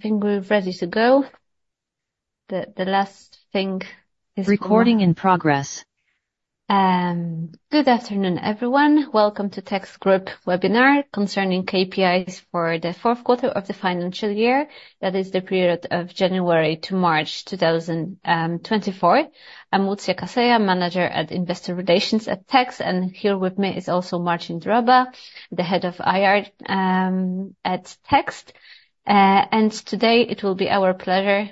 I think we're ready to go. The last thing is. Recording in progress. Good afternoon, everyone. Welcome to Text Group Webinar concerning KPIs for the fourth quarter of the financial year, that is, the period of January to March 2024. I'm Łucja Kaseja, manager at Investor Relations at Text, and here with me is also Marcin Droba, the head of IR, at Text. Today it will be our pleasure,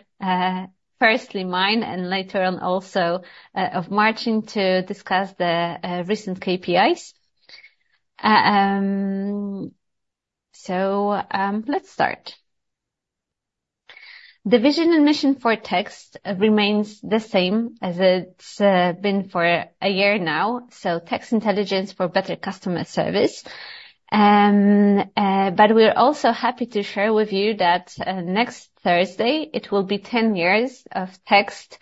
firstly mine and later on also, of Marcin to discuss the recent KPIs. So, let's start. The vision and mission for Text remains the same as it's been for a year now, so text intelligence for better customer service. We're also happy to share with you that, next Thursday it will be 10 years of Text,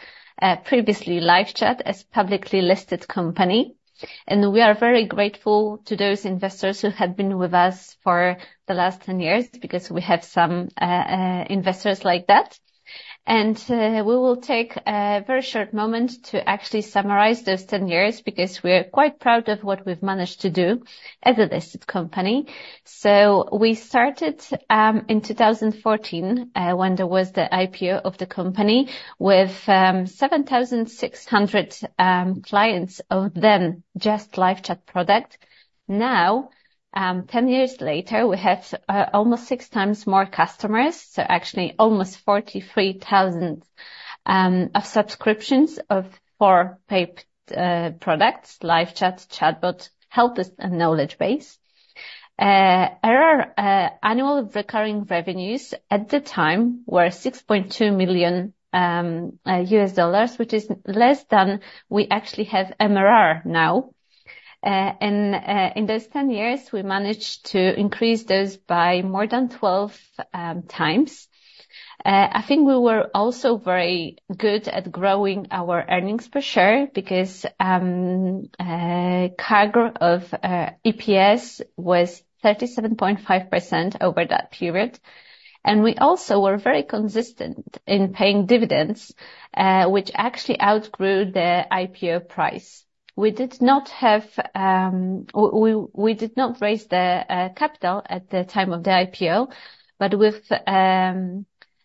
previously LiveChat as publicly listed company. We are very grateful to those investors who have been with us for the last 10 years because we have some investors like that. We will take a very short moment to actually summarize those 10 years because we're quite proud of what we've managed to do as a listed company. So we started in 2014, when there was the IPO of the company with 7,600 clients, of them just LiveChat product. Now, 10 years later we have almost six times more customers, so actually almost 43,000 subscriptions of four paid products: LiveChat, ChatBot, HelpDesk, and KnowledgeBase. Our annual recurring revenues at the time were $6.2 million, which is less than we actually have MRR now. In those 10 years we managed to increase those by more than 12 times. I think we were also very good at growing our earnings per share because CAGR of EPS was 37.5% over that period. We also were very consistent in paying dividends, which actually outgrew the IPO price. We did not raise the capital at the time of the IPO, but with the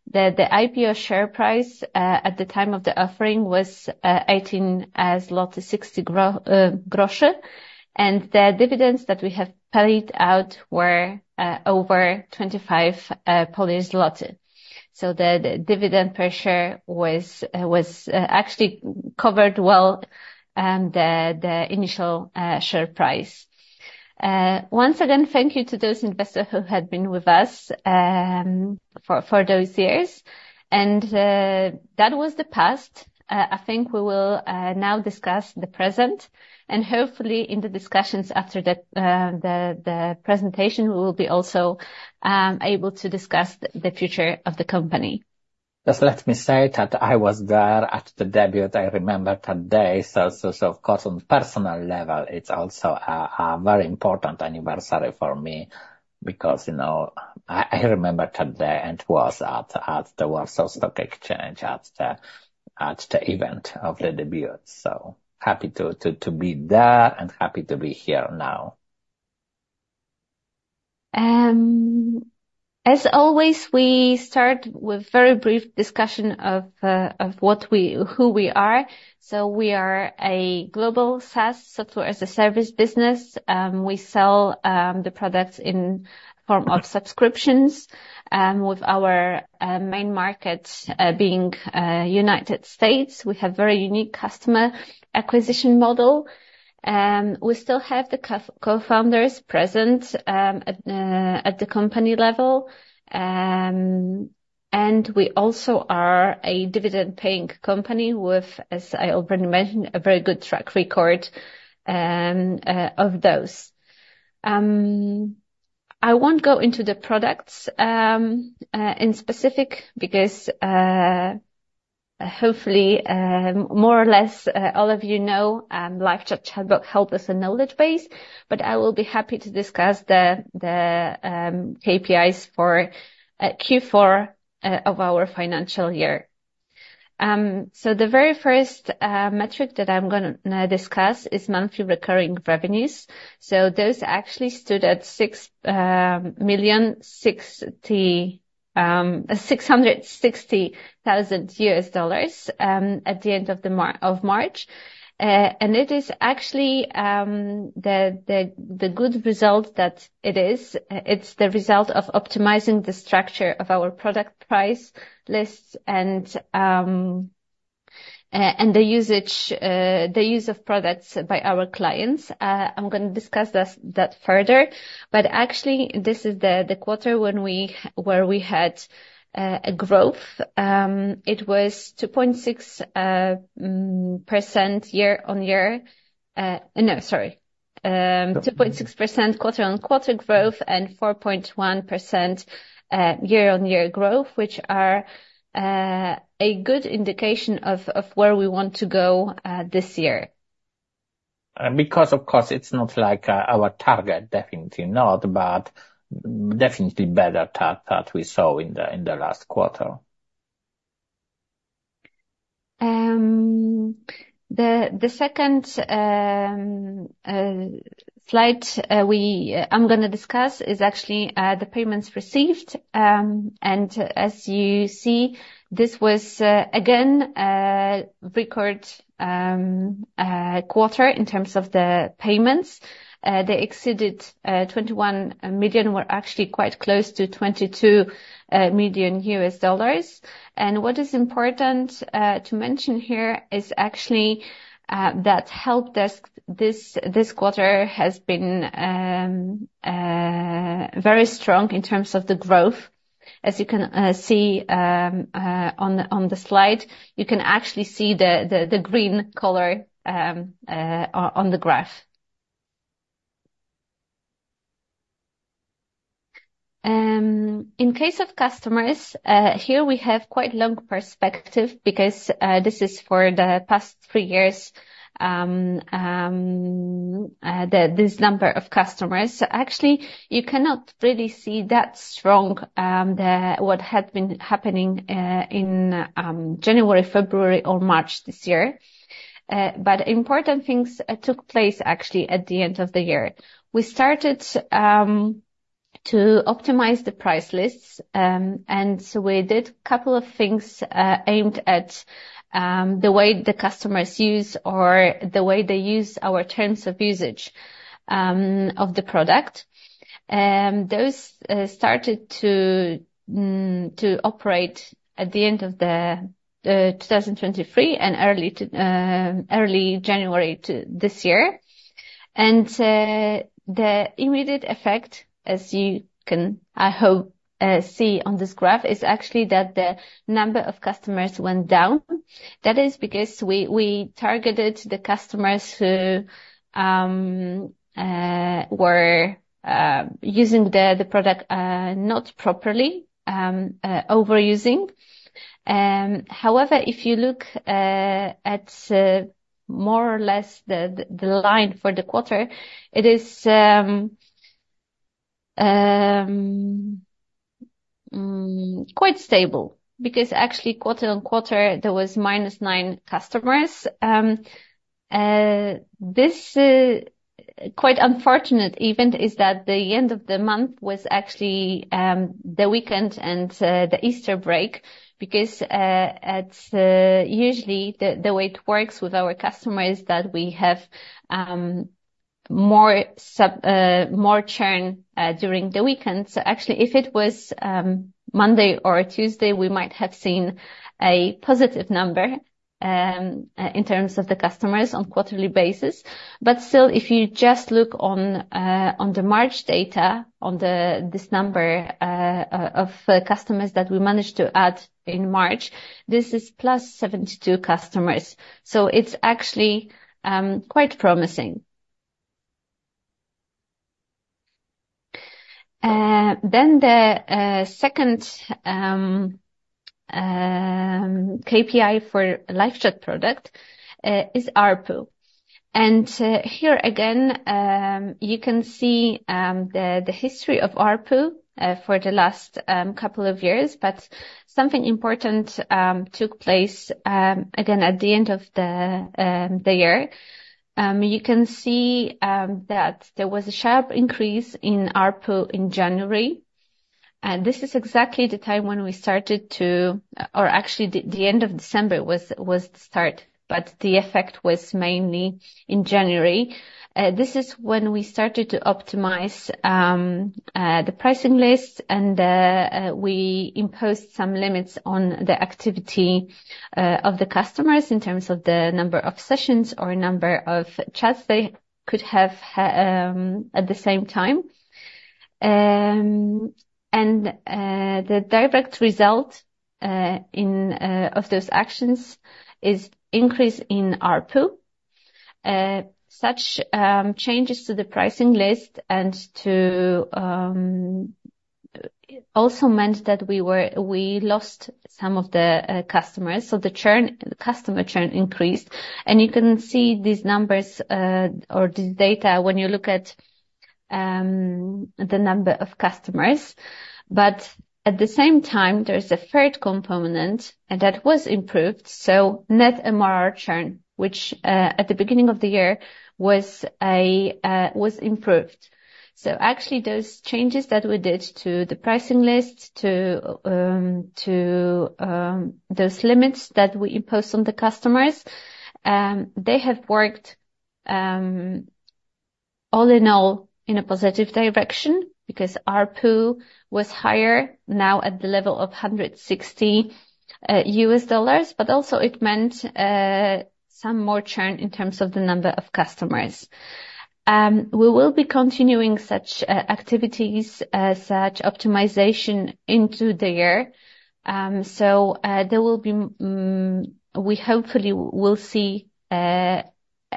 IPO share price at the time of the offering was 18.60 zloty, and the dividends that we have paid out were over 25 zloty. So the dividend per share was actually covered well the initial share price. Once again, thank you to those investors who had been with us for those years. That was the past. I think we will now discuss the present, and hopefully in the discussions after the presentation we will be also able to discuss the future of the company. Just let me say that I was there at the debut. I remember that day. So of course on a personal level it's also a very important anniversary for me because, you know, I remember that day and was at the Warsaw Stock Exchange at the event of the debut. So happy to be there and happy to be here now. As always, we start with a very brief discussion of what we—who we are. So we are a global SaaS software as a service business. We sell the products in form of subscriptions, with our main market being United States. We have a very unique customer acquisition model. We still have the co-founders present at the company level. And we also are a dividend-paying company with, as I already mentioned, a very good track record of those. I won't go into the products in specific because hopefully more or less all of you know LiveChat, ChatBot, HelpDesk, and KnowledgeBase, but I will be happy to discuss the KPIs for Q4 of our financial year. So the very first metric that I'm going to discuss is monthly recurring revenues. So those actually stood at $6.66 million at the end of March. It is actually the good result that it is. It's the result of optimizing the structure of our product price lists and the use of products by our clients. I'm going to discuss that further, but actually this is the quarter where we had a growth. It was 2.6% year-on-year. No, sorry. 2.6% quarter-on-quarter growth and 4.1% year-on-year growth, which are a good indication of where we want to go this year. Because, of course, it's not like our target, definitely not, but definitely better that we saw in the last quarter. The second slide we're going to discuss is actually the payments received. And as you see, this was again a record quarter in terms of the payments. They exceeded $21 million, were actually quite close to $22 million US dollars. And what is important to mention here is actually that HelpDesk this quarter has been very strong in terms of the growth. As you can see, on the slide, you can actually see the green color on the graph. In case of customers, here we have quite long perspective because this is for the past three years, this number of customers. Actually, you cannot really see that strong what had been happening in January, February, or March this year. But important things took place actually at the end of the year. We started to optimize the price lists, and so we did a couple of things aimed at the way the customers use or the way they use our terms of usage of the product. Those started to operate at the end of 2023 and early January of this year. The immediate effect, as you can, I hope, see on this graph, is actually that the number of customers went down. That is because we targeted the customers who were using the product not properly, overusing. However, if you look at more or less the line for the quarter, it is quite stable because actually quarter-over-quarter there was -9 customers. This quite unfortunate event is that the end of the month was actually the weekend and the Easter break because usually the way it works with our customers is that we have more sub more churn during the weekend. So actually if it was Monday or Tuesday, we might have seen a positive number in terms of the customers on quarterly basis. But still, if you just look on the March data, on this number of customers that we managed to add in March, this is +72 customers. So it's actually quite promising. Then the second KPI for LiveChat product is ARPU. And here again, you can see the history of ARPU for the last couple of years, but something important took place again at the end of the year. You can see that there was a sharp increase in ARPU in January. This is exactly the time when we started to, or actually the end of December was the start, but the effect was mainly in January. This is when we started to optimize the pricing list and we imposed some limits on the activity of the customers in terms of the number of sessions or number of chats they could have had at the same time. And the direct result of those actions is increase in ARPU. Such changes to the pricing list and to also meant that we lost some of the customers. So the churn, the customer churn, increased. And you can see these numbers or this data when you look at the number of customers. But at the same time, there's a third component and that was improved. So net MRR churn, which at the beginning of the year was a, was improved. So actually those changes that we did to the pricing list, to those limits that we imposed on the customers, they have worked, all in all in a positive direction because ARPU was higher now at the level of $160, but also it meant some more churn in terms of the number of customers. We will be continuing such activities, such optimization into the year. So there will be; we hopefully will see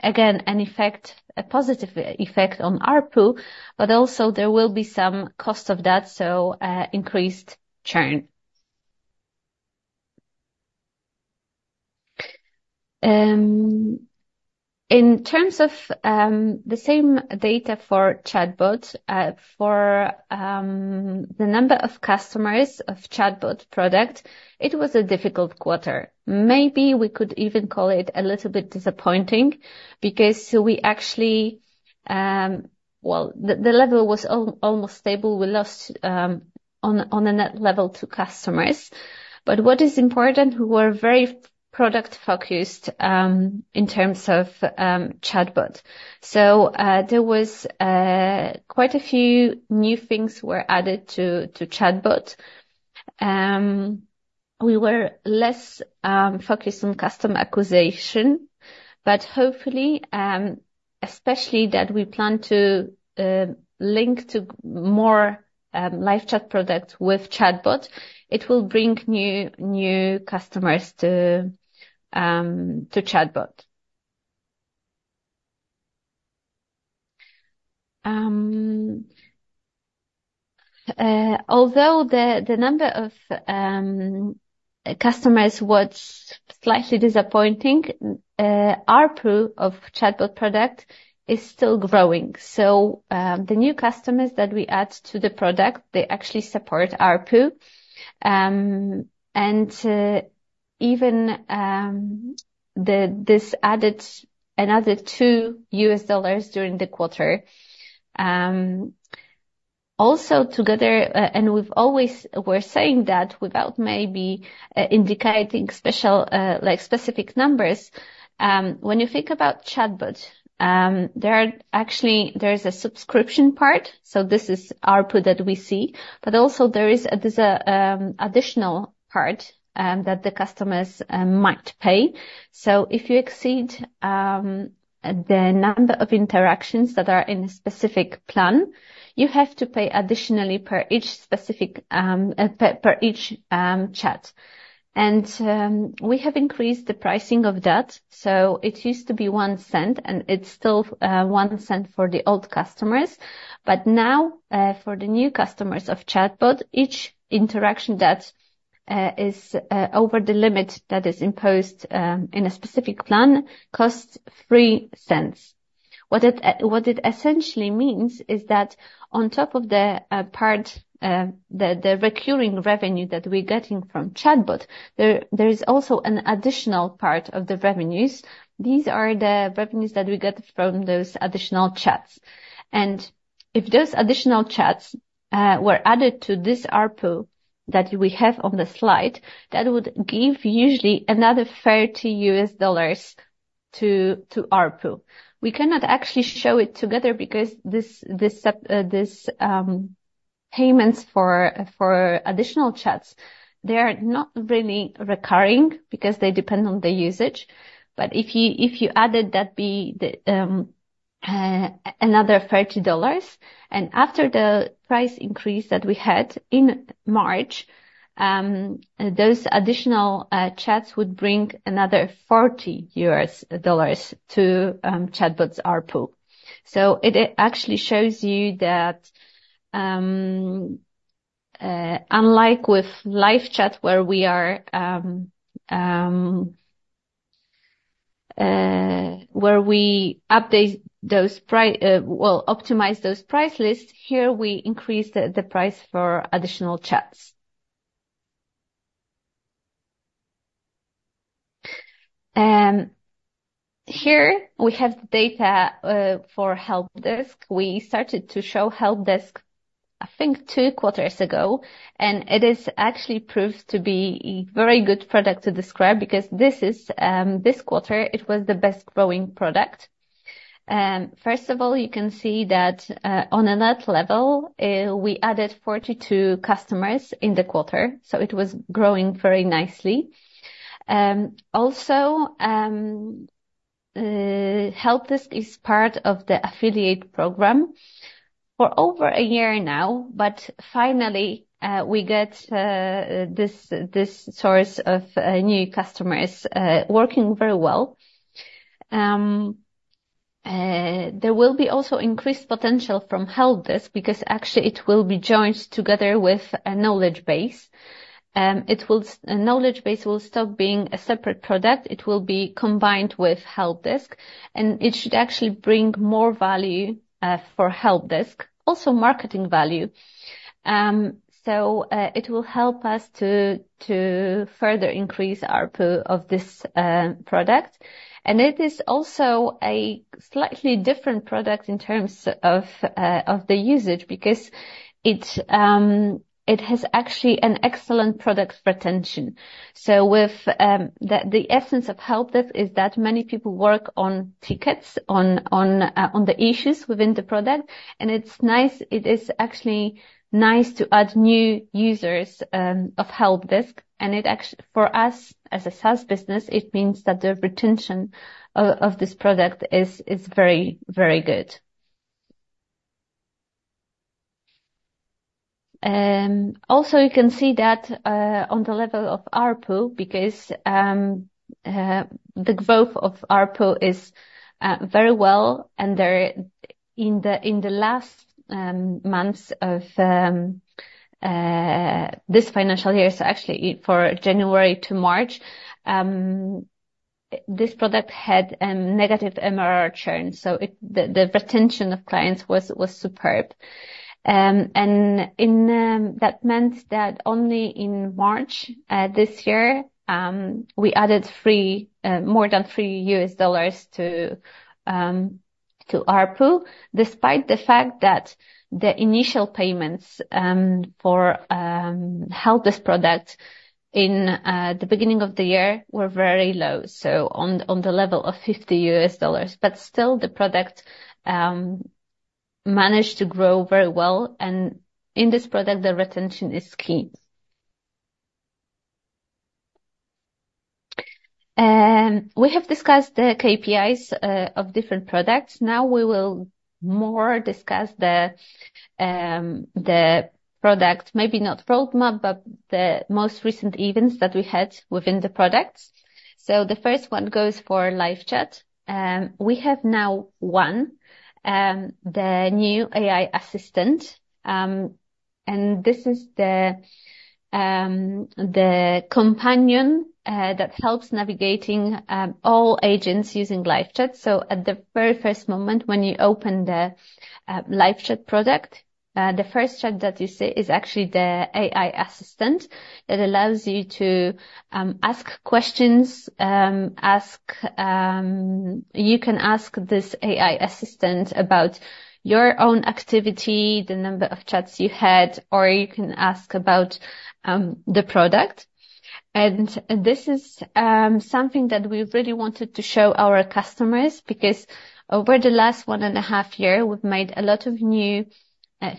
again an effect, a positive effect on ARPU, but also there will be some cost of that, so increased churn. In terms of the same data for ChatBot, for the number of customers of ChatBot product, it was a difficult quarter. Maybe we could even call it a little bit disappointing because we actually, well, the level was almost stable. We lost, on a net level, two customers. But what is important, we were very product-focused in terms of ChatBot. So there were quite a few new things added to ChatBot. We were less focused on customer acquisition, but hopefully, especially that we plan to link more LiveChat products with ChatBot, it will bring new customers to ChatBot. Although the number of customers was slightly disappointing, ARPU of ChatBot product is still growing. So the new customers that we add to the product, they actually support ARPU. And even this added another $2 during the quarter. Also together, and we've always were saying that without maybe indicating special, like specific numbers, when you think about ChatBot, there is actually a subscription part. So this is ARPU that we see, but also there is an additional part that the customers might pay. If you exceed the number of interactions that are in a specific plan, you have to pay additionally per each specific, per each, chat. We have increased the pricing of that. It used to be $0.01 and it's still $0.01 for the old customers. But now, for the new customers of ChatBot, each interaction that is over the limit that is imposed in a specific plan costs $0.03. What it essentially means is that on top of the part, the recurring revenue that we're getting from ChatBot, there is also an additional part of the revenues. These are the revenues that we get from those additional chats. If those additional chats were added to this ARPU that we have on the slide, that would give usually another $30 to ARPU. We cannot actually show it together because these payments for additional chats, they are not really recurring because they depend on the usage. But if you added that be the another $30 and after the price increase that we had in March, those additional chats would bring another $40 to ChatBot's ARPU. So it actually shows you that, unlike with LiveChat where we update those prices, well, optimize those price lists, here we increase the price for additional chats. Here we have the data for HelpDesk. We started to show HelpDesk, I think, two quarters ago, and it is actually proved to be a very good product to describe because this quarter, it was the best growing product. First of all, you can see that, on a net level, we added 42 customers in the quarter, so it was growing very nicely. Also, HelpDesk is part of the affiliate program for over a year now, but finally, we get this source of new customers working very well. There will be also increased potential from HelpDesk because actually it will be joined together with a KnowledgeBase. It will. KnowledgeBase will stop being a separate product. It will be combined with HelpDesk, and it should actually bring more value for HelpDesk, also marketing value. So, it will help us to further increase ARPU of this product. And it is also a slightly different product in terms of the usage because it has actually an excellent product retention. So, with that, the essence of HelpDesk is that many people work on tickets on the issues within the product. And it's nice; it is actually nice to add new users of HelpDesk. And it actually, for us as a SaaS business, it means that the retention of this product is very, very good. Also, you can see that on the level of ARPU because the growth of ARPU is very well, and there in the last months of this financial year, so actually for January to March, this product had negative MRR churn. So, the retention of clients was superb. And that meant that only in March this year, we added more than $3 to ARPU, despite the fact that the initial payments for HelpDesk product in the beginning of the year were very low. So, on the level of $50, but still the product managed to grow very well. And in this product, the retention is key. We have discussed the KPIs of different products. Now we will more discuss the product, maybe not roadmap, but the most recent events that we had within the products. So the first one goes for LiveChat. We have now one, the new AI assistant. And this is the companion that helps navigating all agents using LiveChat. So at the very first moment when you open the LiveChat product, the first chat that you see is actually the AI assistant that allows you to ask questions, ask, you can ask this AI assistant about your own activity, the number of chats you had, or you can ask about the product. And this is something that we really wanted to show our customers because over the last one and a half years, we've made a lot of new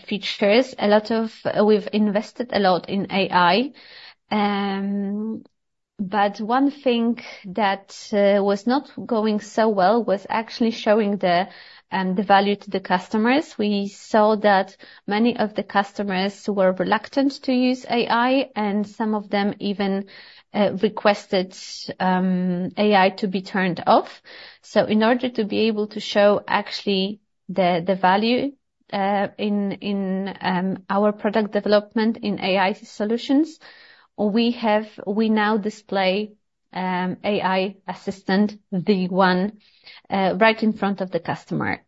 features, a lot of, we've invested a lot in AI. But one thing that was not going so well was actually showing the value to the customers. We saw that many of the customers were reluctant to use AI and some of them even requested AI to be turned off. So in order to be able to show actually the value in our product development in AI solutions, we now display AI assistant, the one, right in front of the customer.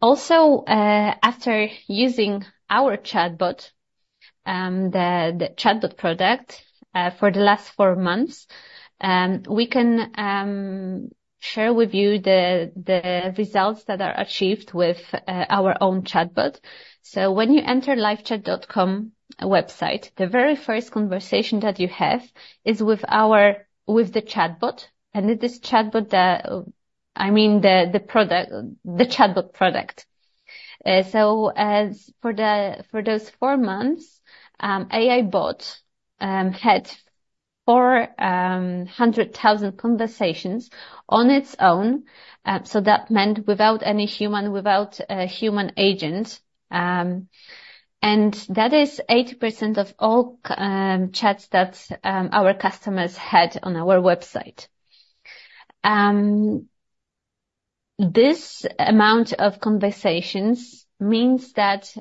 Also, after using our chatbot, the chatbot product, for the last four months, we can share with you the results that are achieved with our own chatbot. So when you enter LiveChat.com website, the very first conversation that you have is with our chatbot. And it is ChatBot that, I mean, the product, the ChatBot product. So for those four months, AI bot had 400,000 conversations on its own. So that meant without any human agents. And that is 80% of all chats that our customers had on our website. This amount of conversations means that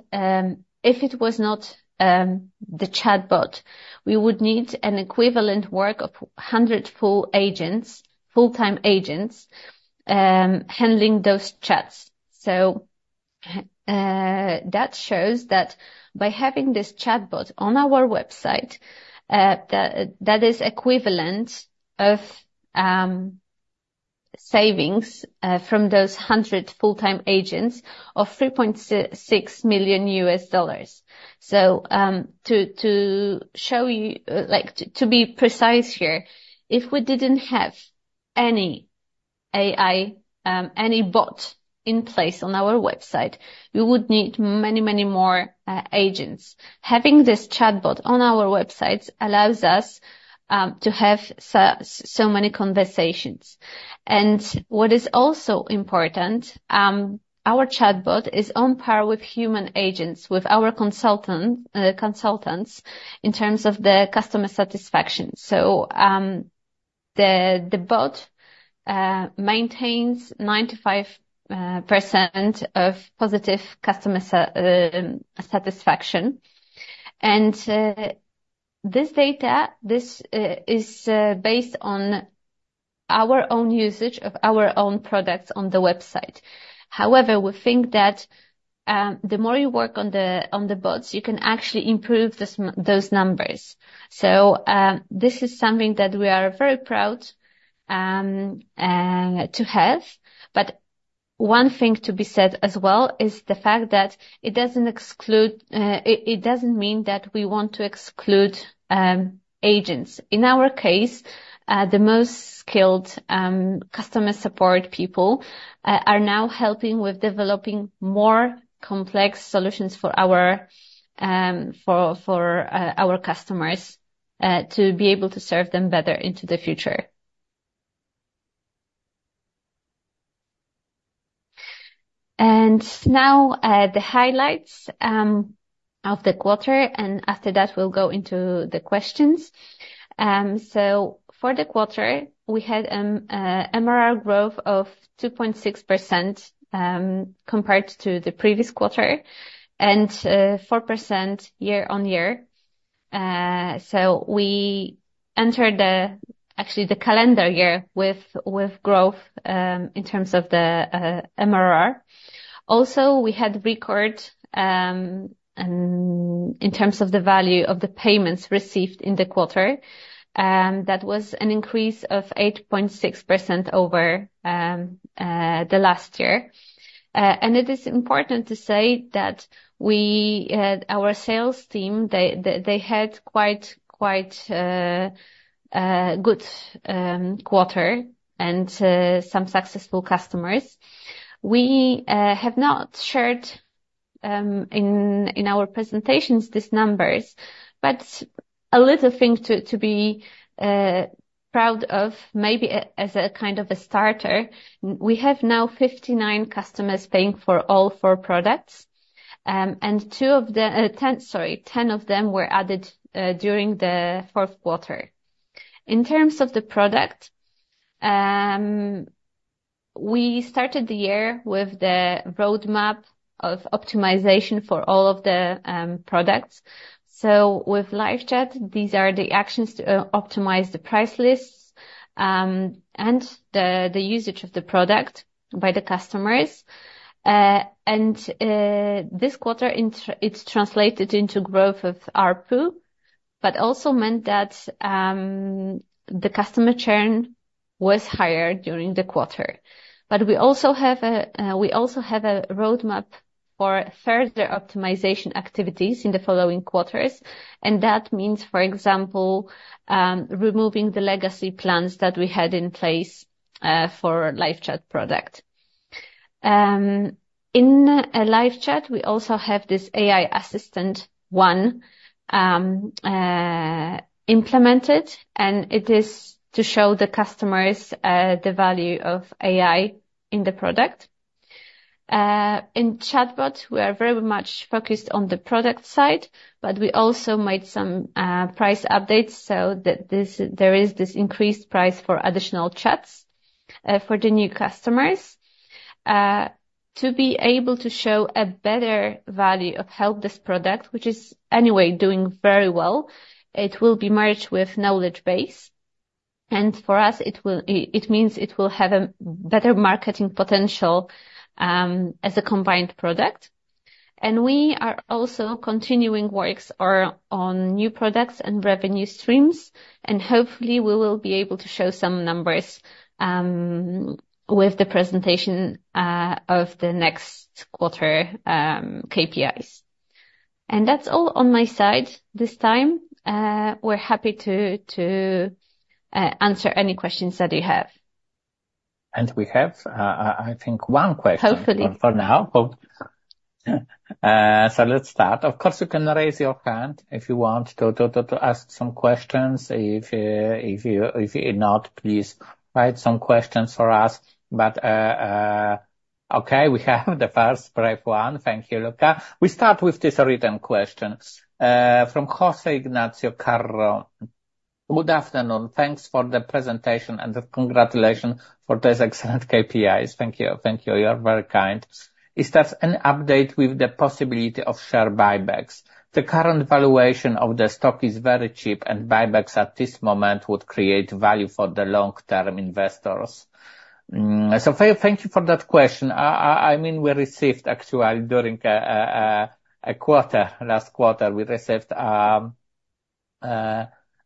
if it was not the chatbot, we would need an equivalent work of 100 full-time agents handling those chats. So that shows that by having this chatbot on our website, that is equivalent of savings from those 100 full-time agents of $3.6 million. So, to show you, like, to be precise here, if we didn't have any AI, any bot in place on our website, we would need many, many more agents. Having this chatbot on our websites allows us to have so many conversations. And what is also important, our chatbot is on par with human agents, with our consultants in terms of the customer satisfaction. So, the bot maintains 95% of positive customer satisfaction. And this data is based on our own usage of our own products on the website. However, we think that the more you work on the bots, you can actually improve those numbers. So, this is something that we are very proud to have. But one thing to be said as well is the fact that it doesn't exclude, it doesn't mean that we want to exclude agents. In our case, the most skilled customer support people are now helping with developing more complex solutions for our customers to be able to serve them better into the future. And now, the highlights of the quarter, and after that we'll go into the questions. So for the quarter, we had an MRR growth of 2.6%, compared to the previous quarter and 4% year-over-year. So we entered actually the calendar year with growth in terms of the MRR. Also, we had record and in terms of the value of the payments received in the quarter, that was an increase of 8.6% over the last year. And it is important to say that our sales team had quite good quarter and some successful customers. We have not shared in our presentations these numbers, but a little thing to be proud of, maybe as a kind of a starter, we have now 59 customers paying for all four products. And 10 of them were added during the fourth quarter. In terms of the product, we started the year with the roadmap of optimization for all of the products. So with LiveChat, these are the actions to optimize the price lists, and the usage of the product by the customers. And this quarter, it's translated into growth of ARPU, but also meant that the customer churn was higher during the quarter. But we also have a roadmap for further optimization activities in the following quarters. And that means, for example, removing the legacy plans that we had in place for LiveChat product. In LiveChat, we also have this AI assistant one implemented, and it is to show the customers the value of AI in the product. In ChatBot, we are very much focused on the product side, but we also made some price updates so that there is this increased price for additional chats for the new customers. To be able to show a better value of HelpDesk product, which is anyway doing very well, it will be merged with KnowledgeBase. For us, it will, it means it will have a better marketing potential as a combined product. We are also continuing works on new products and revenue streams, and hopefully we will be able to show some numbers with the presentation of the next quarter KPIs. And that's all on my side this time. We're happy to answer any questions that you have. We have, I think one question for now. Hopefully. So let's start. Of course, you can raise your hand if you want to ask some questions. If not, please write some questions for us. But okay, we have the first brave one. Thank you, Łucja. We start with this written question from Jose Ignacio Carro. Good afternoon. Thanks for the presentation and the congratulations for these excellent KPIs. Thank you. Thank you. You're very kind. Is there an update with the possibility of share buybacks? The current valuation of the stock is very cheap, and buybacks at this moment would create value for the long-term investors. So thank you for that question. I mean, we received actually during last quarter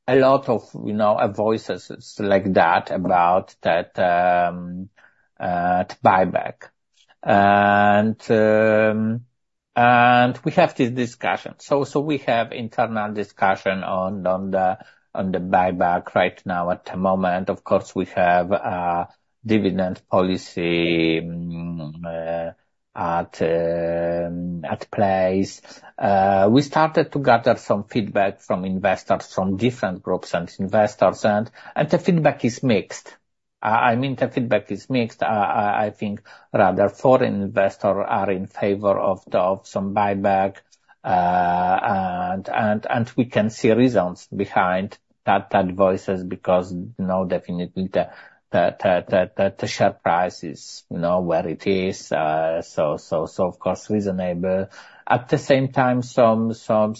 a lot of, you know, voices like that about buyback. And we have this discussion. So we have internal discussion on the buyback right now at the moment. Of course, we have dividend policy at place. We started to gather some feedback from investors from different groups and investors, and the feedback is mixed. I mean, the feedback is mixed. I think rather foreign investors are in favor of some buyback. And we can see reasons behind that voices because, you know, definitely the share price is, you know, where it is. So of course reasonable. At the same time, some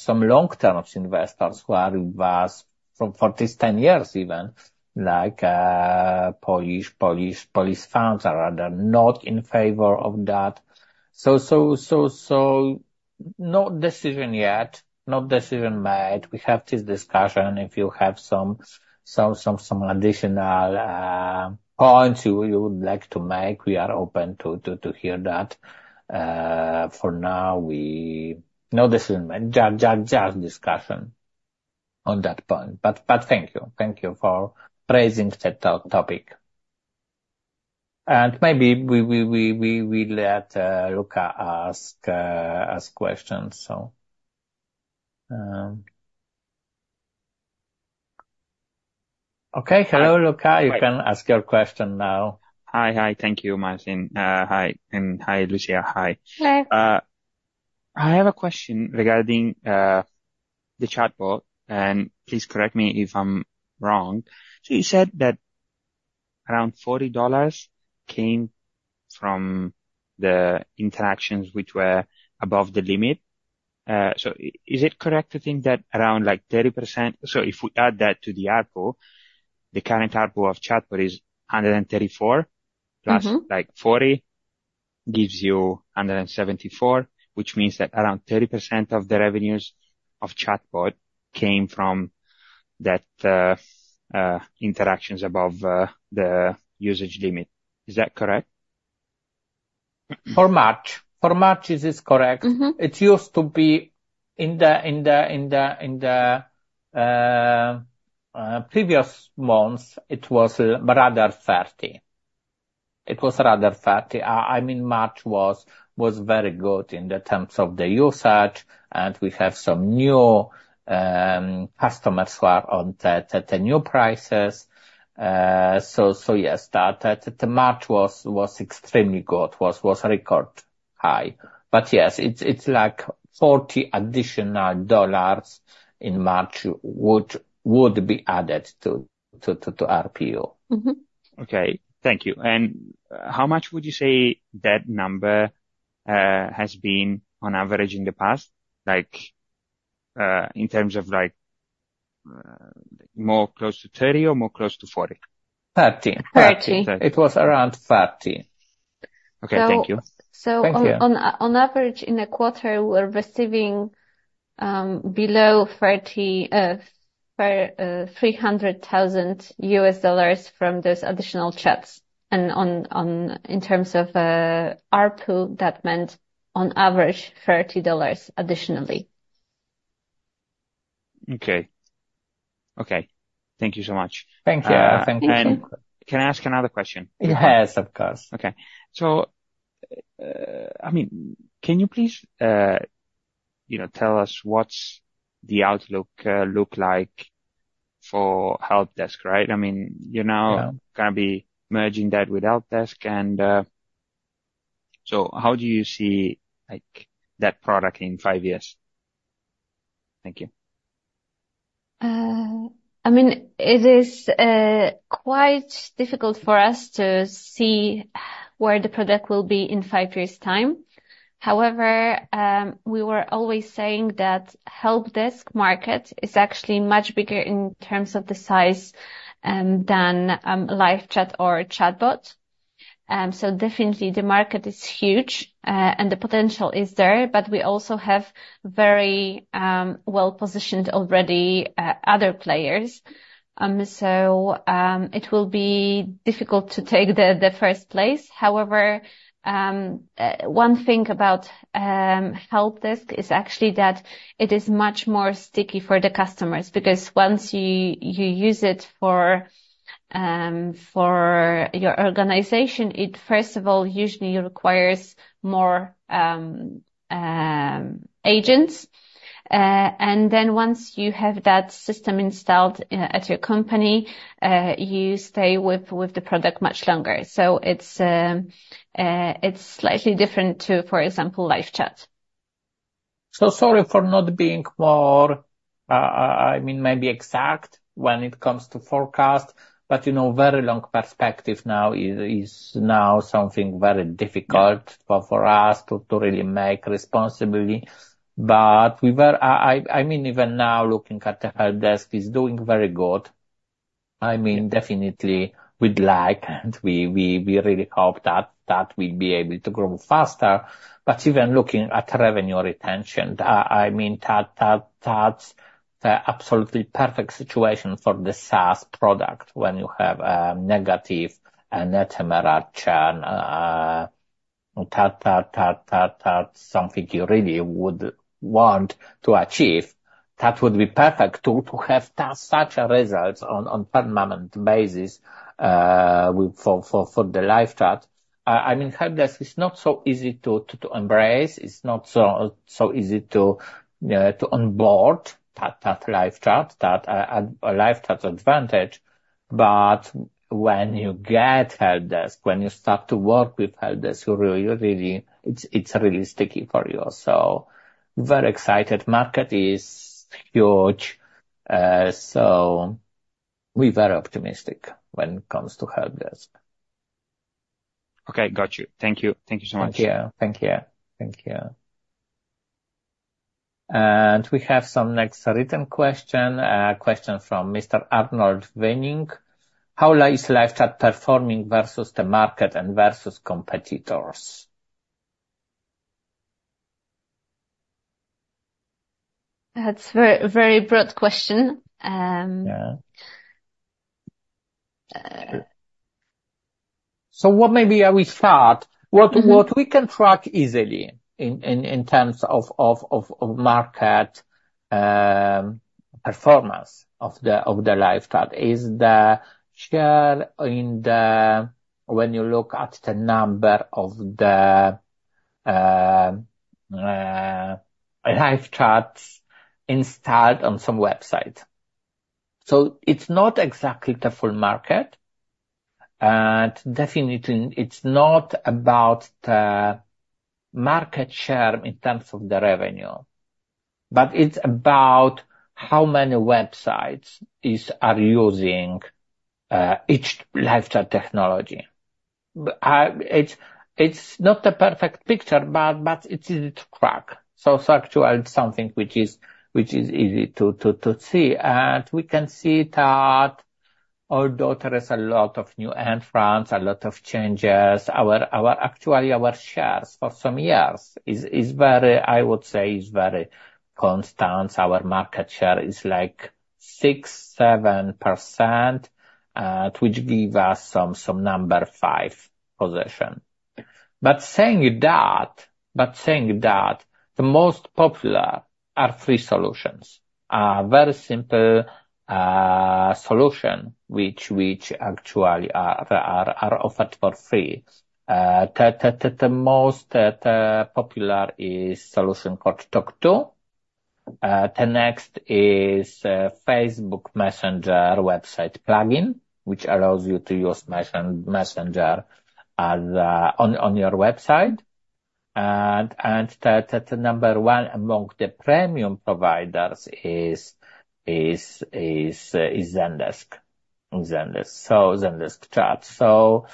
long-term investors who are with us for these 10 years even, like, Polish funds are rather not in favor of that. So no decision yet, no decision made. We have this discussion. If you have some additional points you would like to make, we are open to hear that. For now, we no decision made. Just discussion on that point. But thank you. Thank you for raising the topic. And maybe we let Łucja ask questions. So, okay, hello,.. You can ask your question now. Hi. Thank you, Marcin. Hi. And hi, Łucja. Hi. Hi. I have a question regarding the chatbot. And please correct me if I'm wrong. So you said that around $40 came from the interactions which were above the limit. So is it correct to think that around like 30%? So if we add that to the ARPU, the current ARPU of chatbot is 134+ like 40 gives you 174, which means that around 30% of the revenues of chatbot came from that, interactions above the usage limit. Is that correct? For March. For March, it is correct. It used to be in the previous months, it was rather 30%. It was rather 30%. I mean, March was very good in terms of the usage. And we have some new customers who are on the new prices. So yes, that March was extremely good, was record high. But yes, it's like $40 additional dollars in March would be added to ARPU. Mm-hmm. Okay. Thank you. How much would you say that number has been on average in the past? Like, in terms of like, more close to 30 or more close to 40? 30. 30. It was around 30. Okay. Thank you. Thank you. So on average, in a quarter, we were receiving below 30, $300,000 from those additional chats. And on in terms of ARPU, that meant on average $30 additionally. Okay. Okay. Thank you so much. Thank you. Thank you. And can I ask another question? Yes, of course. Okay. So I mean, can you please, you know, tell us what's the outlook look like for HelpDesk, right? I mean, you're now going to be merging that with HelpDesk. And so how do you see like that product in five years? Thank you. I mean, it is quite difficult for us to see where the product will be in five years' time. However, we were always saying that HelpDesk market is actually much bigger in terms of the size than LiveChat or ChatBot. So definitely the market is huge, and the potential is there, but we also have very well-positioned already other players. So it will be difficult to take the first place. However, one thing about HelpDesk is actually that it is much more sticky for the customers because once you use it for your organization, it first of all usually requires more agents. And then once you have that system installed at your company, you stay with the product much longer. So it's slightly different to, for example, LiveChat. So sorry for not being more, I mean, maybe exact when it comes to forecast, but you know, very long perspective now is now something very difficult for us to really make responsibly. But we were, I mean, even now looking at the HelpDesk is doing very good. I mean, definitely we'd like and we really hope that we'd be able to grow faster. But even looking at revenue retention, I mean, that's the absolutely perfect situation for the SaaS product when you have a negative and ephemeral churn. That's something you really would want to achieve. That would be perfect to have such a result on permanent basis with for the LiveChat. I mean, HelpDesk is not so easy to embrace. It's not so easy to onboard that LiveChat advantage. But when you get HelpDesk, when you start to work with HelpDesk, you really, it's really sticky for you. So very excited. Market is huge. So we're very optimistic when it comes to HelpDesk. Okay. Got you. Thank you. Thank you so much. Thank you. Thank you. Thank you. And we have some next written question, a question from Mr. Arnaud Wenninck. How is LiveChat performing versus the market and versus competitors? That's a very broad question. Yeah. So what maybe we thought, what we can track easily in terms of market performance of the LiveChat is the share in the, when you look at the number of the LiveChats installed on some website. So it's not exactly the full market. And definitely, it's not about the market share in terms of the revenue. But it's about how many websites are using each LiveChat technology. But it's not the perfect picture, but it's easy to track. So actually it's something which is easy to see. And we can see that although there is a lot of new entrants, a lot of changes, our actually our shares for some years is very, I would say very constant. Our market share is like 6%-7%, which gives us some number five position. But saying that, the most popular are three solutions, very simple solutions which actually are offered for free. The most popular is solution called talk to. The next is Facebook Messenger website plugin, which allows you to use Messenger as on your website. And the number one among the premium providers is Zendesk, so Zendesk Chat. So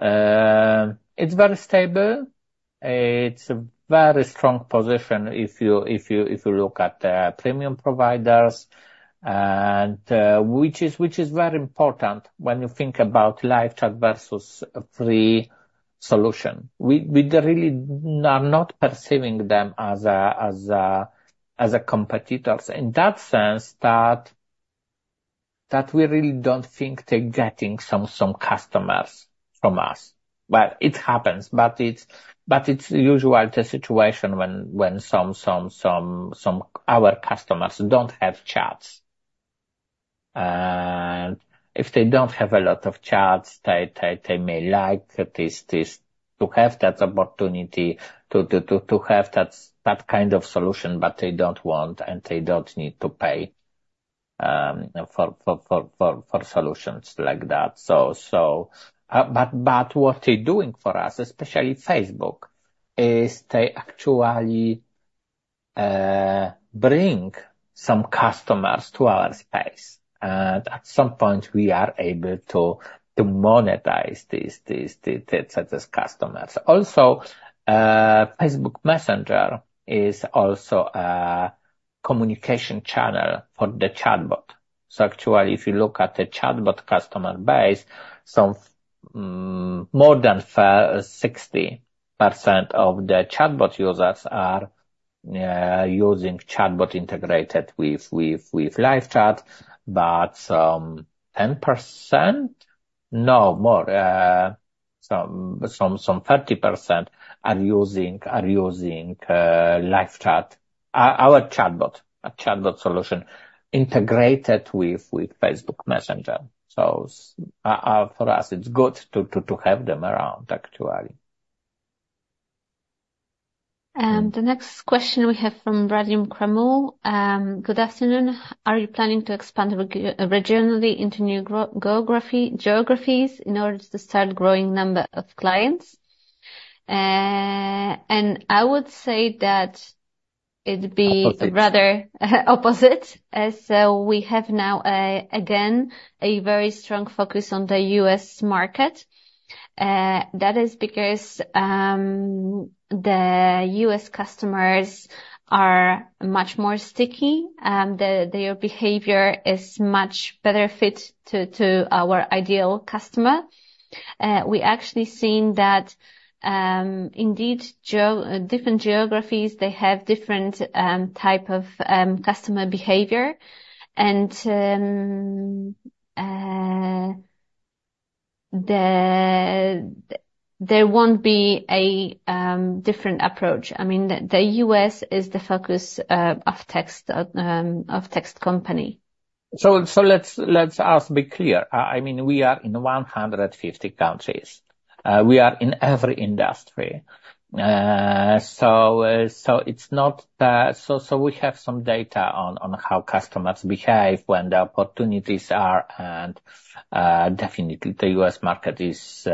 it's very stable. It's a very strong position if you look at the premium providers. And which is very important when you think about LiveChat versus free solution. We really are not perceiving them as a competitor in that sense that we really don't think they're getting some customers from us. But it happens. But it's usual the situation when some our customers don't have chats. If they don't have a lot of chats, they may like this to have that opportunity to have that kind of solution, but they don't want and they don't need to pay for solutions like that. But what they're doing for us, especially Facebook, is they actually bring some customers to our space. And at some point, we are able to monetize these customers. Also, Facebook Messenger is also a communication channel for the chatbot. So actually, if you look at the chatbot customer base, more than 60% of the chatbot users are using chatbot integrated with LiveChat. But some 30% are using LiveChat, our chatbot, a chatbot solution integrated with Facebook Messenger. So, for us, it's good to have them around actually. And the next question we have from Radim Kramule. Good afternoon. Are you planning to expand regionally into new geographies in order to start growing number of clients? And I would say that it'd be rather opposite. So we have now, again, a very strong focus on the US market. That is because the US customers are much more sticky. Their behavior is much better fit to our ideal customer. We actually seen that indeed different geographies, they have different type of customer behavior. And there won't be a different approach. I mean, the US is the focus of Text, of Text company. So let's be clear. I mean, we are in 150 countries. We are in every industry. So it's not that, so we have some data on how customers behave when the opportunities are. And definitely the US market is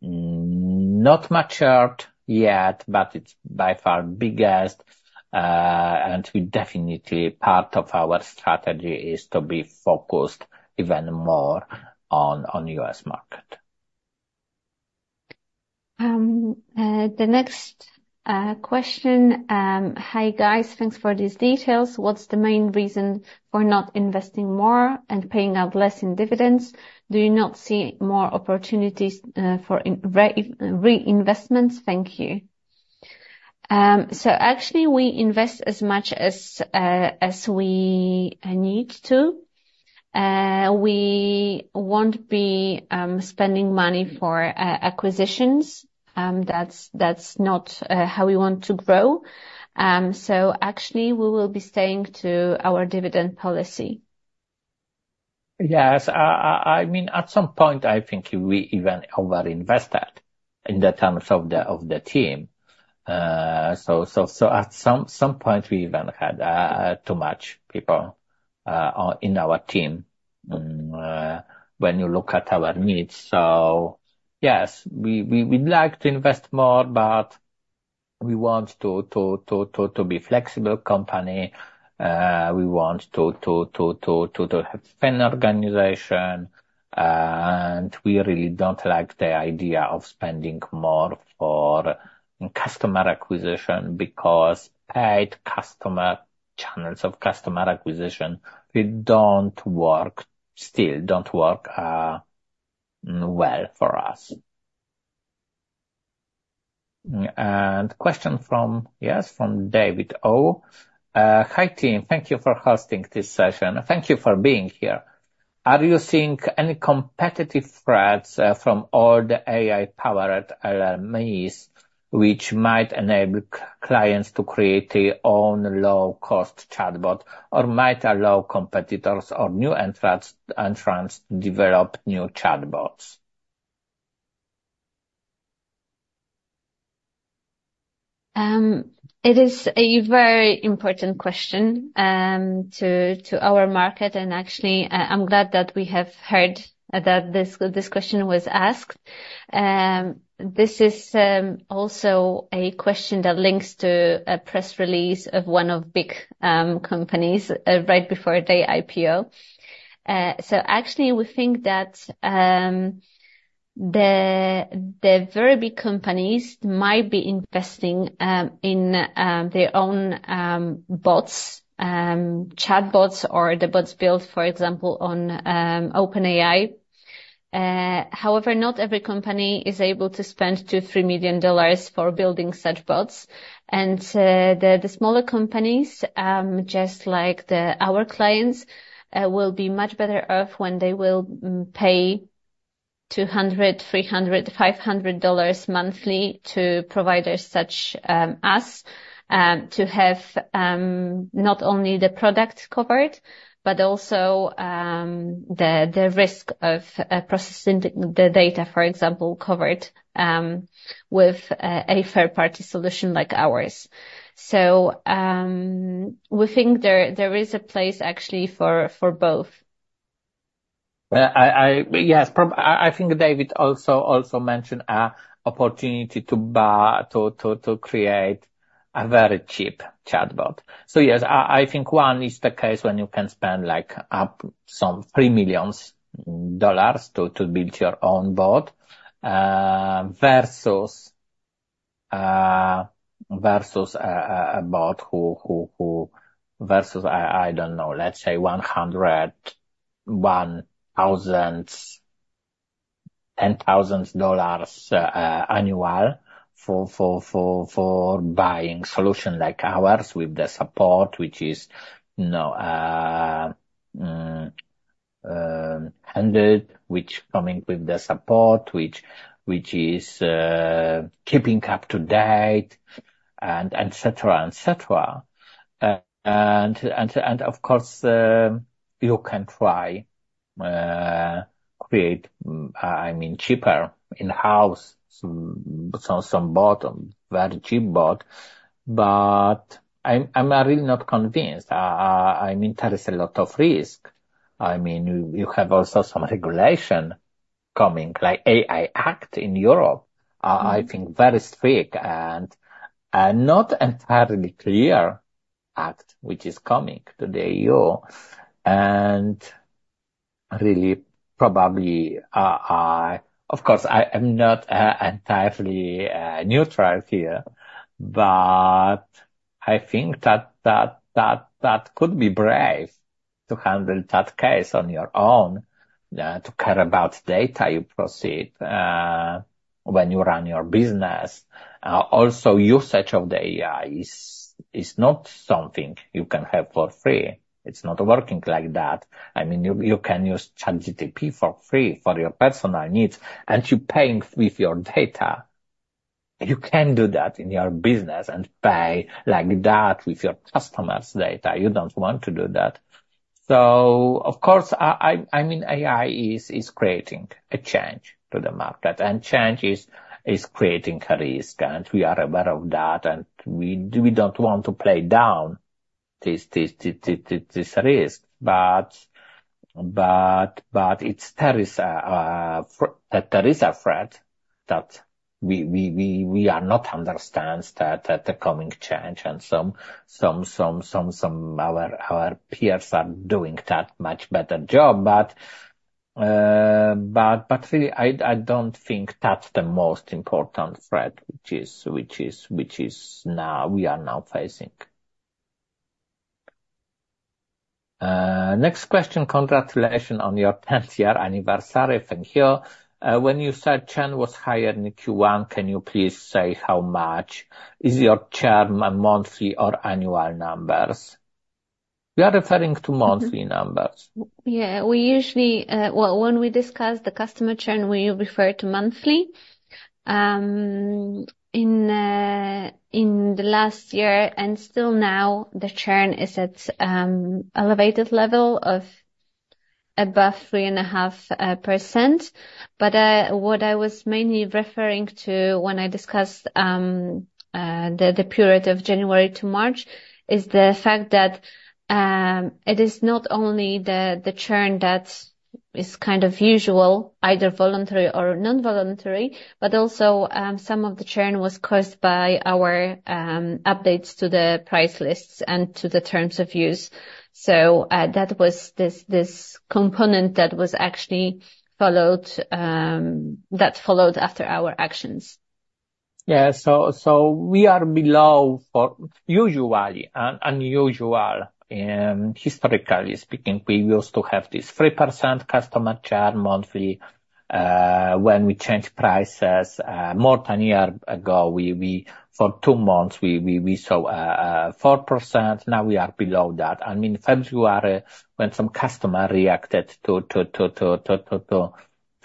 not matured yet, but it's by far biggest. And we definitely part of our strategy is to be focused even more on US market. The next question. Hi guys, thanks for these details. What's the main reason for not investing more and paying out less in dividends? Do you not see more opportunities for reinvestments? Thank you. So actually we invest as much as we need to. We won't be spending money for acquisitions. That's not how we want to grow. So actually we will be staying to our dividend policy. Yes, I mean, at some point I think we even overinvested in the terms of the team. So at some point we even had too many people in our team when you look at our needs. So yes, we'd like to invest more, but we want to be a flexible company. We want to have a thin organization. And we really don't like the idea of spending more for customer acquisition because paid customer channels of customer acquisition still don't work well for us. And question from David O. Hi team, thank you for hosting this session. Thank you for being here. Are you seeing any competitive threats from AI-powered LLMs which might enable clients to create their own low-cost chatbot or might allow competitors or new entrants to develop new chatbots? It is a very important question to our market. Actually, I'm glad that we have heard that this question was asked. This is also a question that links to a press release of one of the big companies right before their IPO. So actually we think that the very big companies might be investing in their own bots, chatbots or the bots built, for example, on OpenAI. However, not every company is able to spend $2 million, $3million for building such bots. And the smaller companies, just like our clients, will be much better off when they will pay $200, $300, $500 monthly to providers such as to have not only the product covered, but also the risk of processing the data, for example, covered with a third-party solution like ours. So we think there is a place actually for both. Yes, probably I think David also mentioned an opportunity to buy to create a very cheap chatbot. So yes, I think one is the case when you can spend like up some $3 million to build your own bot, versus a bot versus I don't know, let's say $100,000, $10,000 annual for buying solution like ours with the support, which is, you know, handled, which coming with the support, which is keeping up to date, and et cetera, et cetera. And of course, you can try create, I mean, cheaper in-house some bot, a very cheap bot. But I'm really not convinced. I'm interested in a lot of risk. I mean, you have also some regulation coming, like AI Act in Europe, I think very strict, and not entirely clear Act, which is coming to the EU. And really probably, I of course am not entirely neutral here, but I think that could be brave to handle that case on your own, to care about data you process, when you run your business. Also, usage of the AI is not something you can have for free. It's not working like that. I mean, you can use ChatGPT for free for your personal needs, and you're paying with your data. You can't do that in your business and pay like that with your customers' data. You don't want to do that. So of course, I mean, AI is creating a change to the market. And change is creating a risk. We are aware of that. We don't want to play down this risk. But there is a threat that we are not understand that the coming change. And some our peers are doing that much better job. But really I don't think that's the most important threat, which is now we are now facing. Next question. Congratulations on your 10th year anniversary. Thank you. When you said Chen was hired in Q1, can you please say how much? Is your churn monthly or annual numbers? We are referring to monthly numbers. Yeah, we usually, well, when we discuss the customer churn, we refer to monthly. In the last year and still now, the churn is at an elevated level of above 3.5%. But what I was mainly referring to when I discussed the period of January to March is the fact that it is not only the churn that is kind of usual, either voluntary or non-voluntary, but also some of the churn was caused by our updates to the price lists and to the terms of use. So, that was this component that actually followed, that followed after our actions. Yeah, so we are below 4%. Usually an unusual, historically speaking, we used to have this 3% customer churn monthly, when we changed prices. More than a year ago, we for two months saw 4%. Now we are below that. I mean, February, when some customer reacted to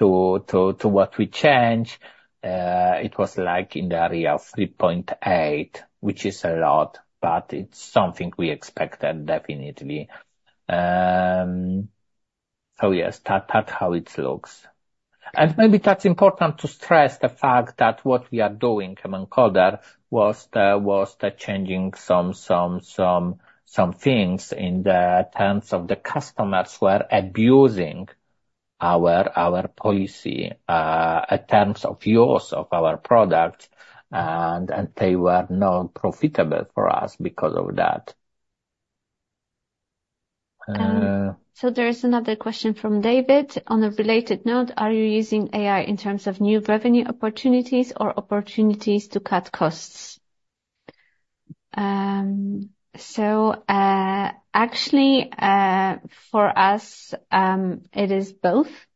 what we changed, it was like in the area of 3.8, which is a lot, but it's something we expected definitely. So yes, that's how it looks. And maybe that's important to stress the fact that what we are doing, in that quarter, was changing some things in the terms of the customers were abusing our policy, in terms of use of our product. And they were not profitable for us because of that. So there is another question from David on a related note. Are you using AI in terms of new revenue opportunities or opportunities to cut costs? So, actually, for us, it is both.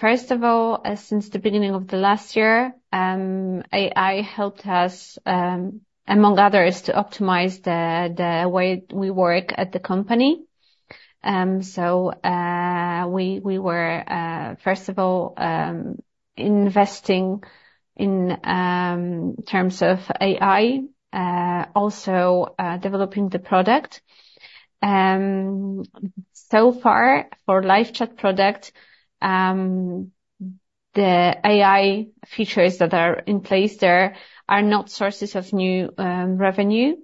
First of all, since the beginning of the last year, AI helped us, among others, to optimize the way we work at the company. So, we were, first of all, investing in terms of AI, also developing the product. So far for LiveChat product, the AI features that are in place there are not sources of new revenue.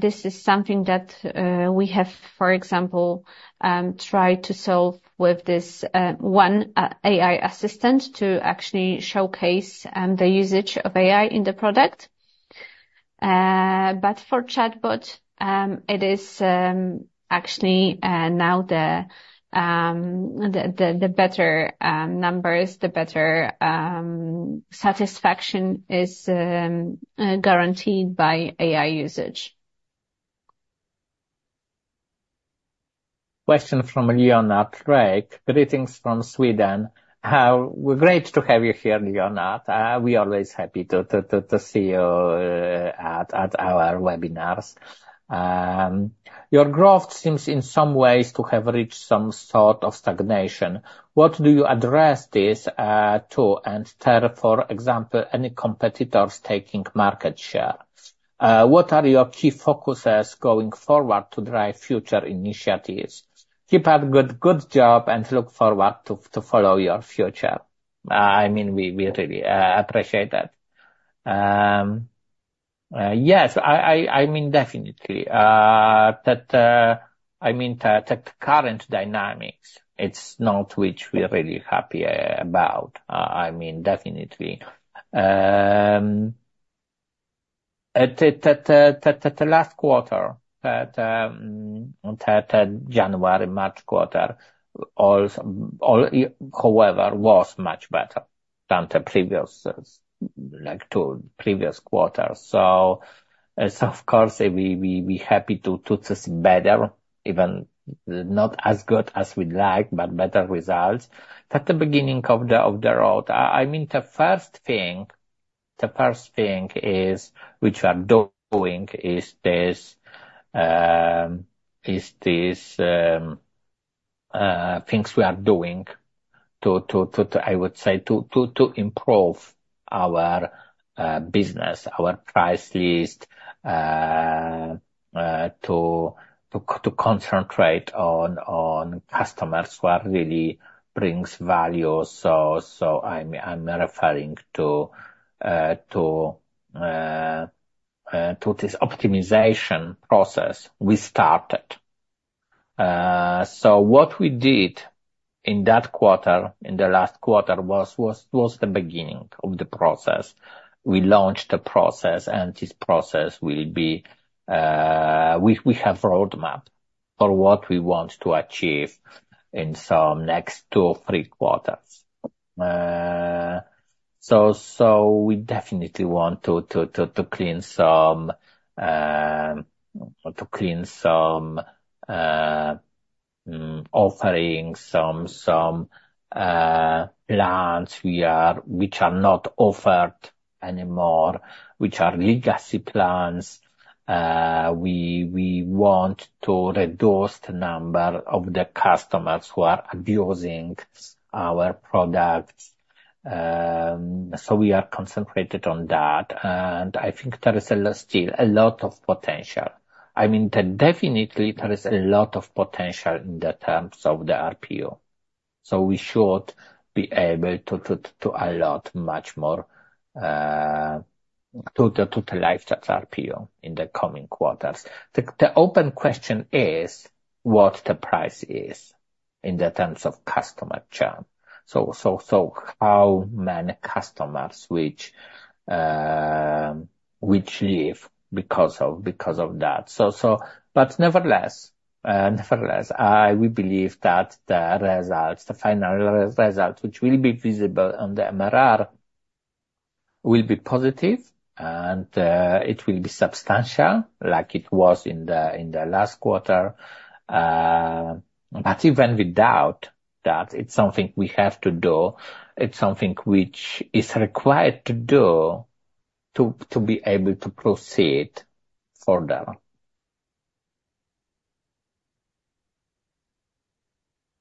This is something that we have, for example, tried to solve with this one AI assistant to actually showcase the usage of AI in the product. But for ChatBot, it is actually now the better numbers; the better satisfaction is guaranteed by AI usage. Question from Lennard Krüger. Greetings from Sweden. How great to have you here, Leonard. We are always happy to see you at our webinars. Your growth seems in some ways to have reached some sort of stagnation. What do you address this to enter, for example, any competitors taking market share? What are your key focuses going forward to drive future initiatives? Keep a good job and look forward to follow your future. I mean, we really appreciate that. Yes, I mean, definitely. That, I mean, the current dynamics, it's not which we're really happy about. I mean, definitely. At the last quarter, that January, March quarter, all however was much better than the previous, like two previous quarters. So of course, we we're happy to see better, even not as good as we'd like, but better results. At the beginning of the road, I mean, the first thing is which we are doing is this things we are doing to, I would say, to improve our business, our price list, to concentrate on customers who are really bringing value. So, I'm referring to this optimization process we started. What we did in that quarter, in the last quarter, was the beginning of the process. We launched the process and we have a roadmap for what we want to achieve in some next two or three quarters. So, we definitely want to clean some offering, some plans which are not offered anymore, which are legacy plans. We want to reduce the number of the customers who are abusing our products. So we are concentrated on that. And I think there is still a lot of potential. I mean, definitely there is a lot of potential in terms of the ARPU. So we should be able to allot much more to the LiveChat ARPU in the coming quarters. The open question is what the price is in terms of customer churn. So how many customers leave because of that. But nevertheless, we believe that the final results, which will be visible on the MRR, will be positive and it will be substantial like it was in the last quarter. But even without that, it's something we have to do. It's something which is required to do to be able to proceed further.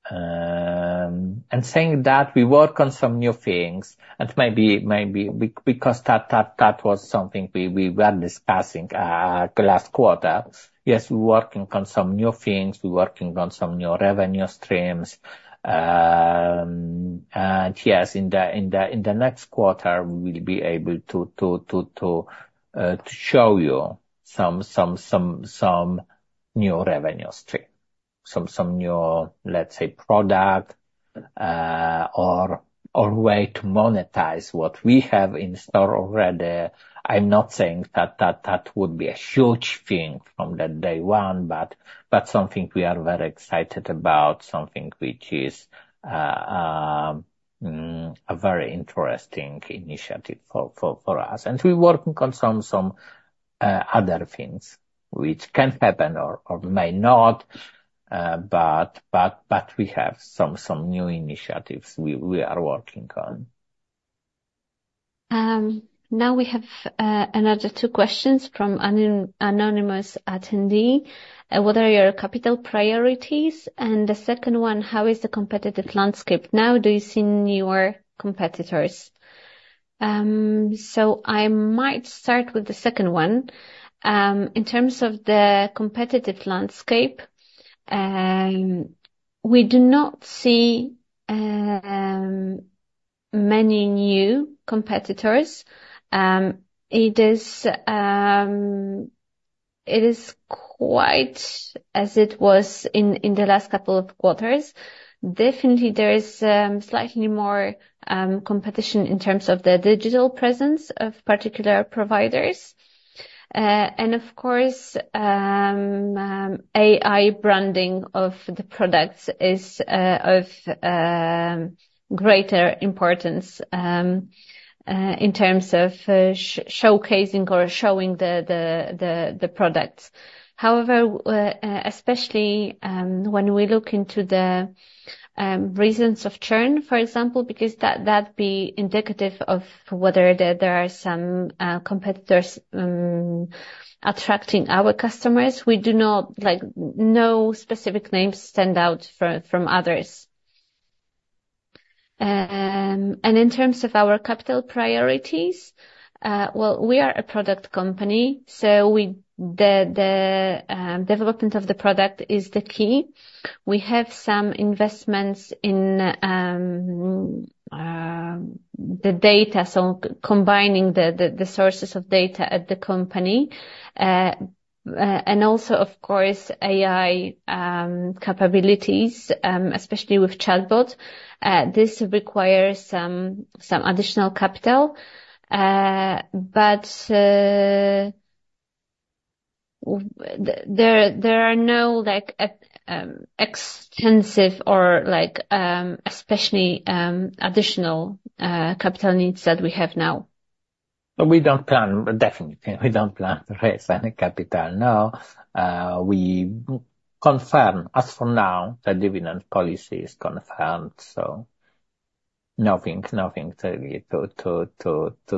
And saying that we work on some new things and maybe, maybe because that was something we were discussing the last quarter. Yes, we're working on some new things. We're working on some new revenue streams. And yes, in the next quarter, we will be able to show you some new revenue stream, some new, let's say, product, or way to monetize what we have in store already. I'm not saying that would be a huge thing from that day one, but something we are very excited about, something which is a very interesting initiative for us. And we're working on some other things which can happen or may not. But we have some new initiatives we are working on. Now we have another two questions from an anonymous attendee. What are your capital priorities? And the second one, how is the competitive landscape now? Do you see newer competitors? So I might start with the second one. In terms of the competitive landscape, we do not see many new competitors. It is quite as it was in the last couple of quarters. Definitely, there is slightly more competition in terms of the digital presence of particular providers. And of course, AI branding of the products is of greater importance in terms of showcasing or showing the products. However, especially when we look into the reasons of churn, for example, because that that'd be indicative of whether there are some competitors attracting our customers, we do not like no specific names stand out from others. In terms of our capital priorities, well, we are a product company, so the development of the product is the key. We have some investments in the data, so combining the sources of data at the company. And also, of course, AI capabilities, especially with chatbots. This requires some additional capital. But there are no like extensive or like especially additional capital needs that we have now. But we don't plan, definitely. We don't plan to raise any capital now. We confirm, as for now, the dividend policy is confirmed. So nothing, nothing to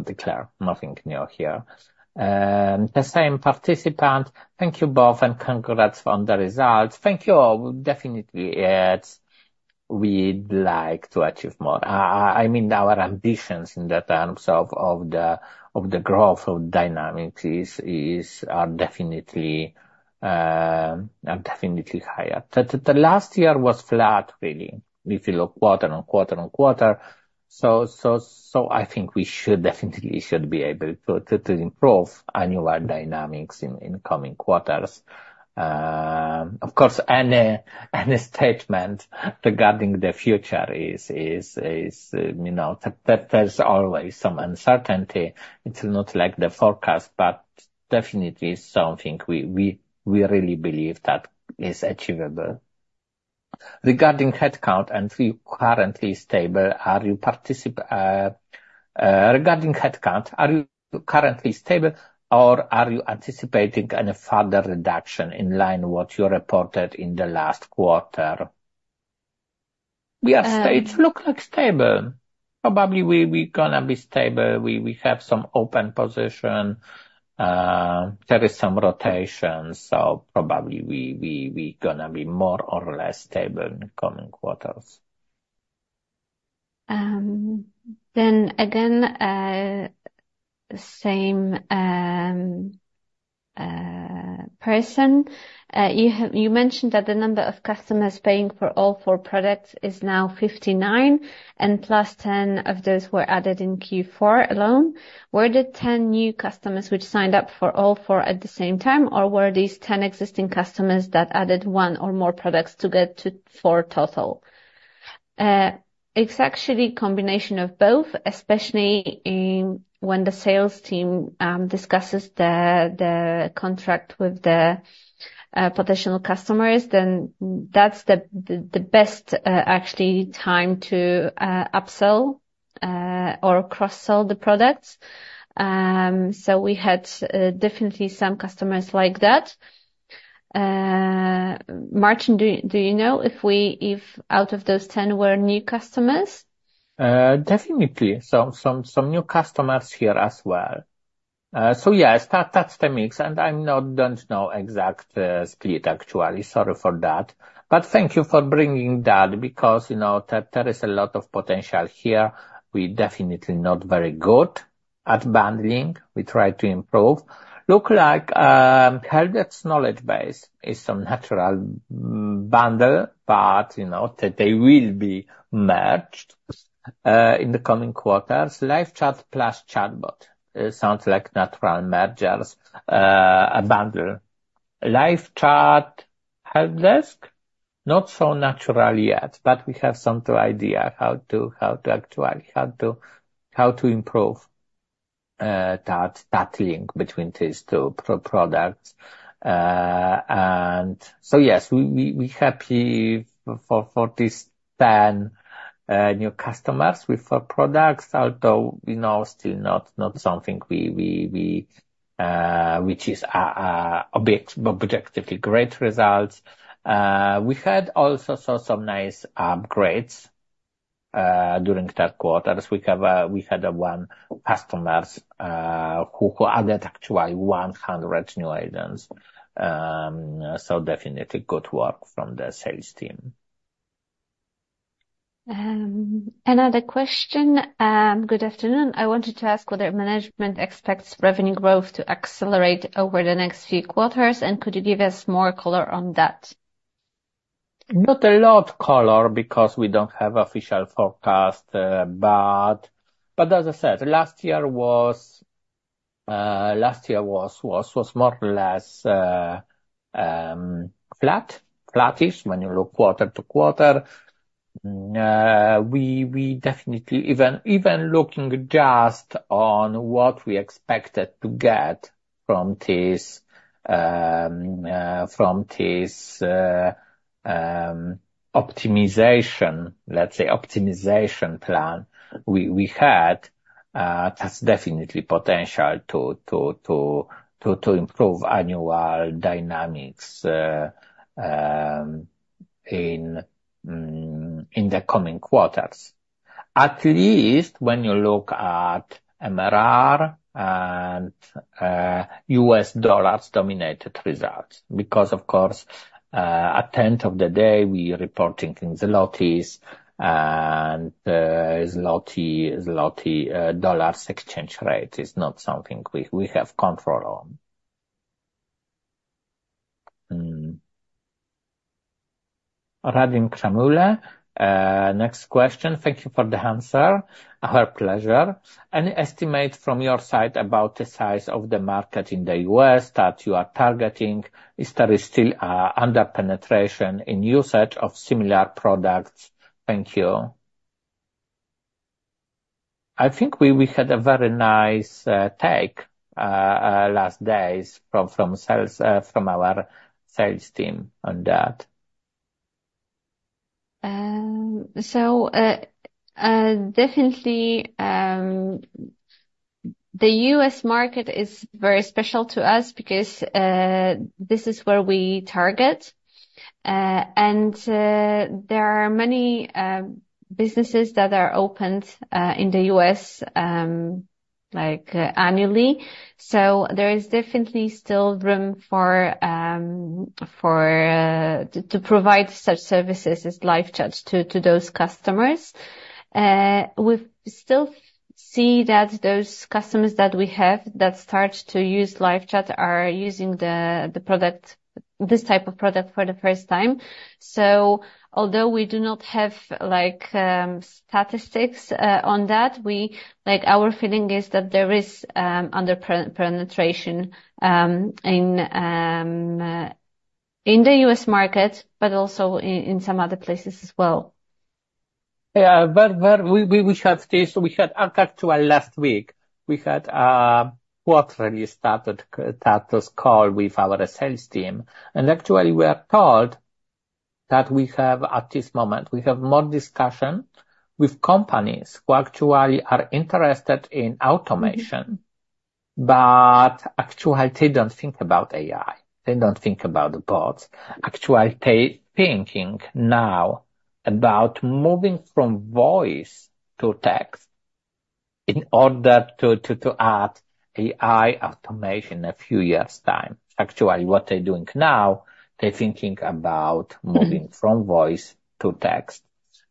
declare. Nothing new here. The same participant. Thank you both and congrats on the results. Thank you all. Definitely, it's we'd like to achieve more. I mean, our ambitions in the terms of the growth dynamics are definitely higher. The last year was flat, really, if you look quarter-on-quarter-on-quarter. So, I think we should definitely be able to improve annual dynamics in coming quarters. Of course, any statement regarding the future is, you know, there's always some uncertainty. It's not like the forecast, but definitely something we really believe that is achievable. Regarding headcount, are you currently stable or are you anticipating any further reduction in line with what you reported in the last quarter? We are stable. It looks like stable. Probably we're going to be stable. We have some open position. There is some rotation, so probably we're going to be more or less stable in coming quarters. You mentioned that the number of customers paying for all four products is now 59, and plus 10 of those were added in Q4 alone. Were there 10 new customers which signed up for all 4 at the same time, or were these 10 existing customers that added one or more products to get to four total? It's actually a combination of both, especially when the sales team discusses the contract with the potential customers, then that's the best actually time to upsell or cross-sell the products. So we had definitely some customers like that. Marcin, do you know if out of those 10 were new customers? Definitely. Some new customers here as well. So yeah, that's the mix. And I don't know exact split actually. Sorry for that. But thank you for bringing that because you know there is a lot of potential here. We're definitely not very good at bundling. We try to improve. Looks like HelpDesk's KnowledgeBase is some natural bundle, but you know they will be merged in the coming quarters. LiveChat plus ChatBot sounds like natural mergers, a bundle. LiveChat HelpDesk, not so natural yet, but we have some idea how to actually improve that link between these two products. And so yes, we're happy for these 10 new customers with four products, although you know still not something which is objectively a great result. We had also saw some nice upgrades during that quarter. We had one customer who added actually 100 new agents. So definitely good work from the sales team. Another question. Good afternoon. I wanted to ask whether management expects revenue growth to accelerate over the next few quarters, and could you give us more color on that? Not a lot of color because we don't have an official forecast. But as I said, last year was more or less flat, flat-ish when you look quarter to quarter. We definitely, even looking just on what we expected to get from this optimization, let's say, optimization plan we had has definitely potential to improve annual dynamics in the coming quarters. At least when you look at MRR and U.S. dollars dominated results because of course at the end of the day we're reporting in zlotys and zloty-dollar exchange rate is not something we have control on. Radim Kramule, next question. Thank you for the answer. Our pleasure. Any estimate from your side about the size of the market in the US that you are targeting? Is there still an underpenetration in usage of similar products? Thank you. I think we had a very nice take last days from our sales team on that. So definitely the US market is very special to us because this is where we target. And there are many businesses that are opened in the US like annually. So there is definitely still room for to provide such services as LiveChat to those customers. We still see that those customers that we have that start to use LiveChat are using the product this type of product for the first time. So although we do not have like statistics on that, we like our feeling is that there is underpenetration in the US market, but also in some other places as well. Yeah, but we had this; we had actually last week a quarterly status tawk.to call with our sales team. And actually we are told that we have at this moment more discussion with companies who actually are interested in automation, but actually they don't think about AI. They don't think about the bots. Actually they're thinking now about moving from voice to text in order to add AI automation a few years' time. Actually what they're doing now, they're thinking about moving from voice to text.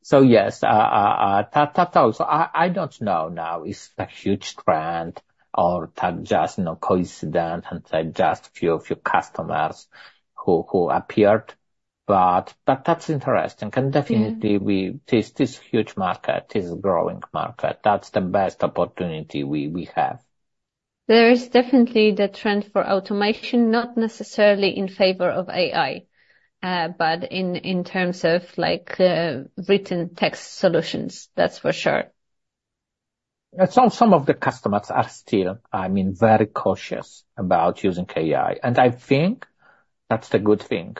So yes, tawk.to also I don't know now is a huge trend or just no coincidence and they're just a few customers who appeared. But that's interesting. And definitely we, this is a huge market, this is a growing market. That's the best opportunity we have. There is definitely the trend for automation, not necessarily in favor of AI, but in terms of like written text solutions, that's for sure. Some of the customers are still, I mean, very cautious about using AI. And I think that's a good thing.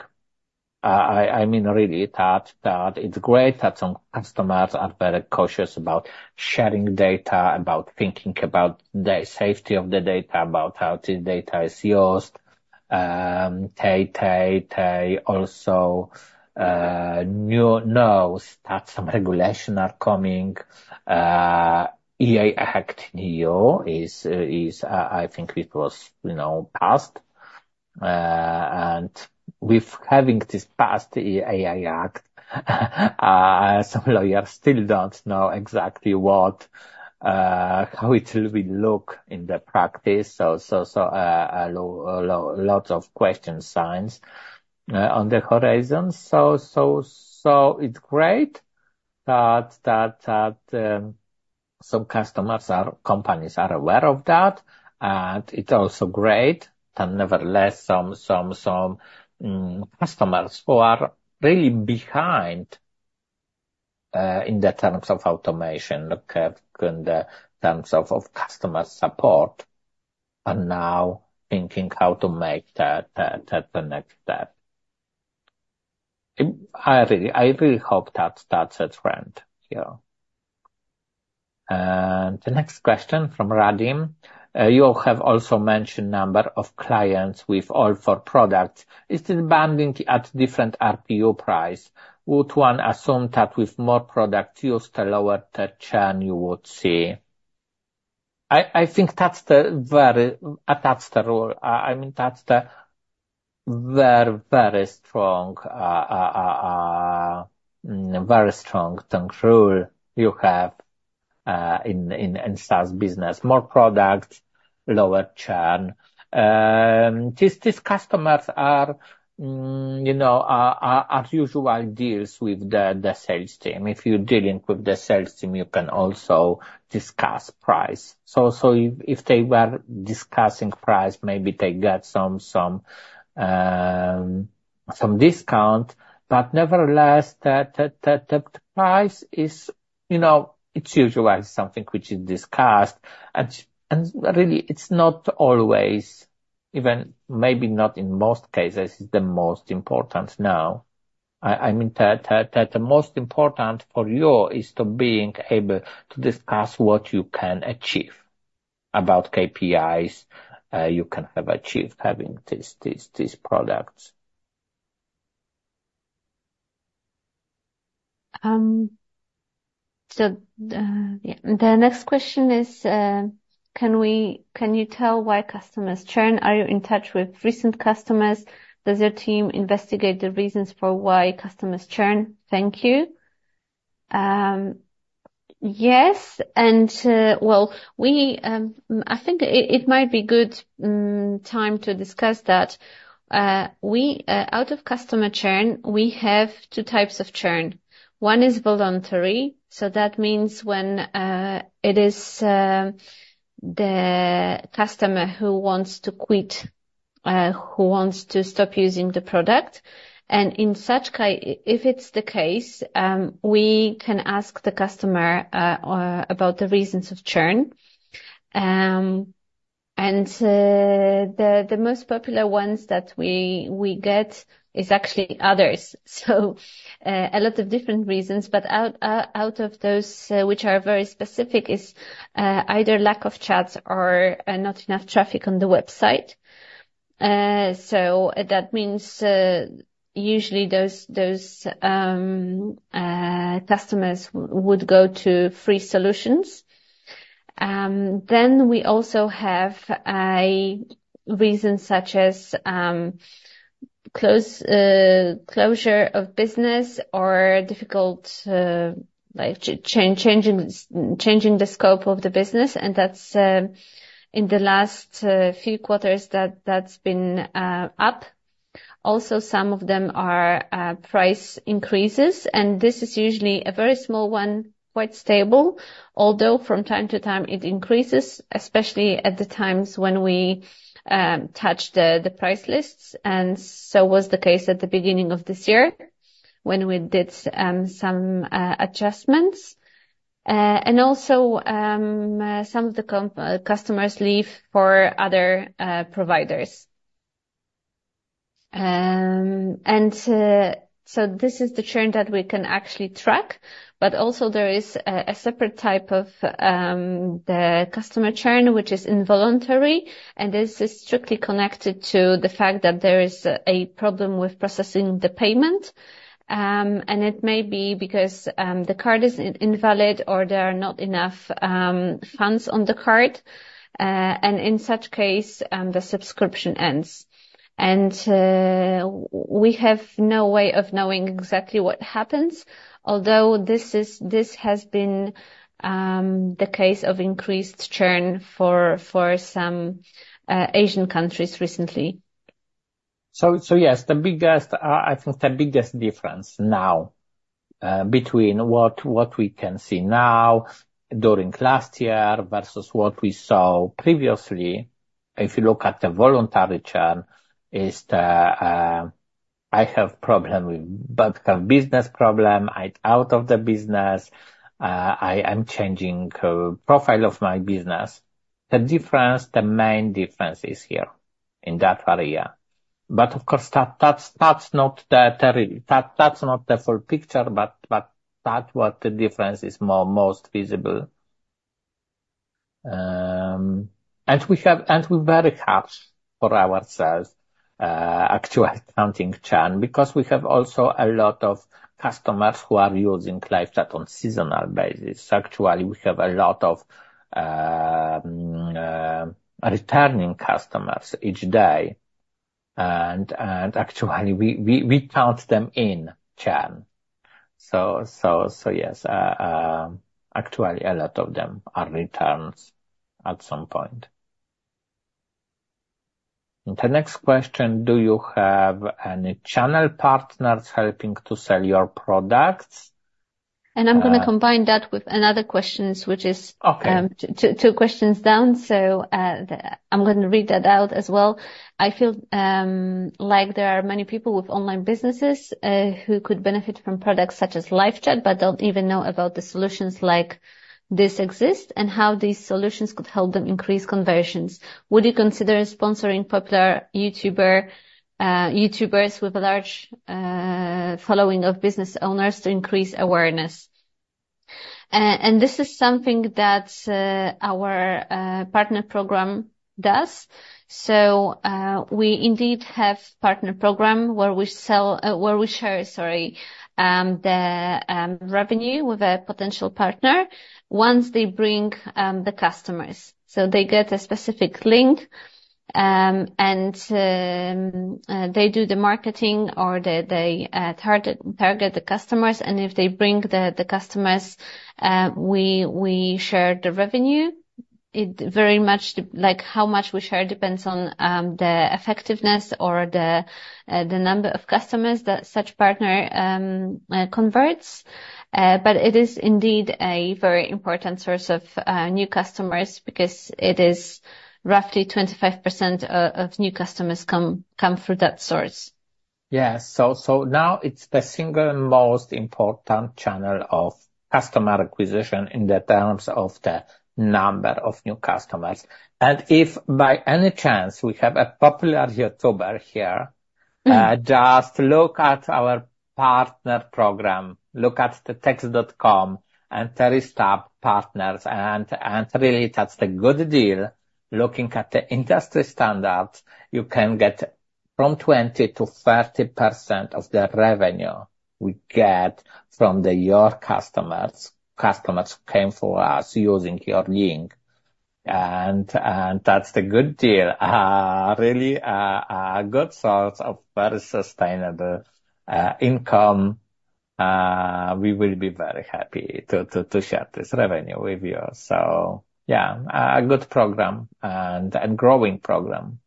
I mean, really that it's great that some customers are very cautious about sharing data, about thinking about the safety of the data, about how this data is used. They also now know that some regulations are coming. AI Act in the US is, is I think it was, you know, passed. And with having this passed AI Act, some lawyers still don't know exactly what how it will look in the practice. So, lots of question marks on the horizon. So, it's great that some customers and companies are aware of that. And it's also great that nevertheless some customers who are really behind in the terms of automation, look at in the terms of customer support, are now thinking how to make that the next step. I really hope that that's a trend here. And the next question from Radim. You have also mentioned a number of clients with all four products. Is this bundling at different RPU price? Would one assume that with more products used, a lower churn you would see? I think that's the very, very strong rule you have in SaaS business. More products, lower churn. These customers are, you know, usual deals with the sales team. If you're dealing with the sales team, you can also discuss price. So if they were discussing price, maybe they get some discount. But nevertheless, the price is, you know, it's usually something which is discussed. And really, it's not always, even maybe not in most cases, it's the most important now. I mean, the most important for you is to being able to discuss what you can achieve about KPIs you can have achieved having these products. So yeah, the next question is, can you tell why customers churn? Are you in touch with recent customers? Does your team investigate the reasons for why customers churn? Thank you. Yes, and well, I think it might be a good time to discuss that. Out of customer churn, we have two types of churn. One is voluntary, so that means when it is the customer who wants to quit, who wants to stop using the product. And in such case, if it's the case, we can ask the customer about the reasons of churn. And the most popular ones that we get is actually others. So a lot of different reasons, but out of those which are very specific is either lack of chats or not enough traffic on the website. So that means usually those customers would go to free solutions. Then we also have a reason such as closure of business or difficult like changing the scope of the business. And that's in the last few quarters that that's been up. Also some of them are price increases. And this is usually a very small one, quite stable, although from time to time it increases, especially at the times when we touch the price lists. And so was the case at the beginning of this year when we did some adjustments. And also some of the customers leave for other providers. And so this is the churn that we can actually track, but also there is a separate type of the customer churn, which is involuntary, and this is strictly connected to the fact that there is a problem with processing the payment. And it may be because the card is invalid or there are not enough funds on the card. And in such case, the subscription ends. We have no way of knowing exactly what happens, although this has been the case of increased churn for some Asian countries recently. So yes, the biggest, I think the biggest, difference now between what we can see now during last year versus what we saw previously, if you look at the voluntary churn, is that I have a problem with, but have a business problem, I'm out of the business, I am changing the profile of my business. The difference, the main difference is here in that area. But of course, that's not the full picture, but that's what the difference is most visible. And we're very happy with our net churn, because we have also a lot of customers who are using LiveChat on a seasonal basis. So actually we have a lot of returning customers each day. And actually we count them in churn. So yes, actually a lot of them are returns at some point. The next question, do you have any channel partners helping to sell your products? And I'm going to combine that with another question, which is, okay, two questions down. So I'm going to read that out as well. I feel like there are many people with online businesses who could benefit from products such as LiveChat, but don't even know about the solutions like this exist and how these solutions could help them increase conversions. Would you consider sponsoring popular YouTubers with a large following of business owners to increase awareness? And this is something that our partner program does. So we indeed have a partner program where we sell, where we share, sorry, the revenue with a potential partner once they bring the customers. So they get a specific link and they do the marketing or they target the customers. And if they bring the customers, we share the revenue. It very much like how much we share depends on the effectiveness or the number of customers that such partner converts. But it is indeed a very important source of new customers because it is roughly 25% of new customers come through that source. Yes, so now it's the single most important channel of customer acquisition in terms of the number of new customers. And if by any chance we have a popular YouTuber here, just look at our partner program, look at the Text.com and Terry Stubbs Partners. And really that's a good deal. Looking at the industry standards, you can get from 20%-30% of the revenue we get from your customers, customers who came for us using your link. And that's a good deal. Really a good source of very sustainable income. We will be very happy to share this revenue with you. So yeah, a good program and growing program.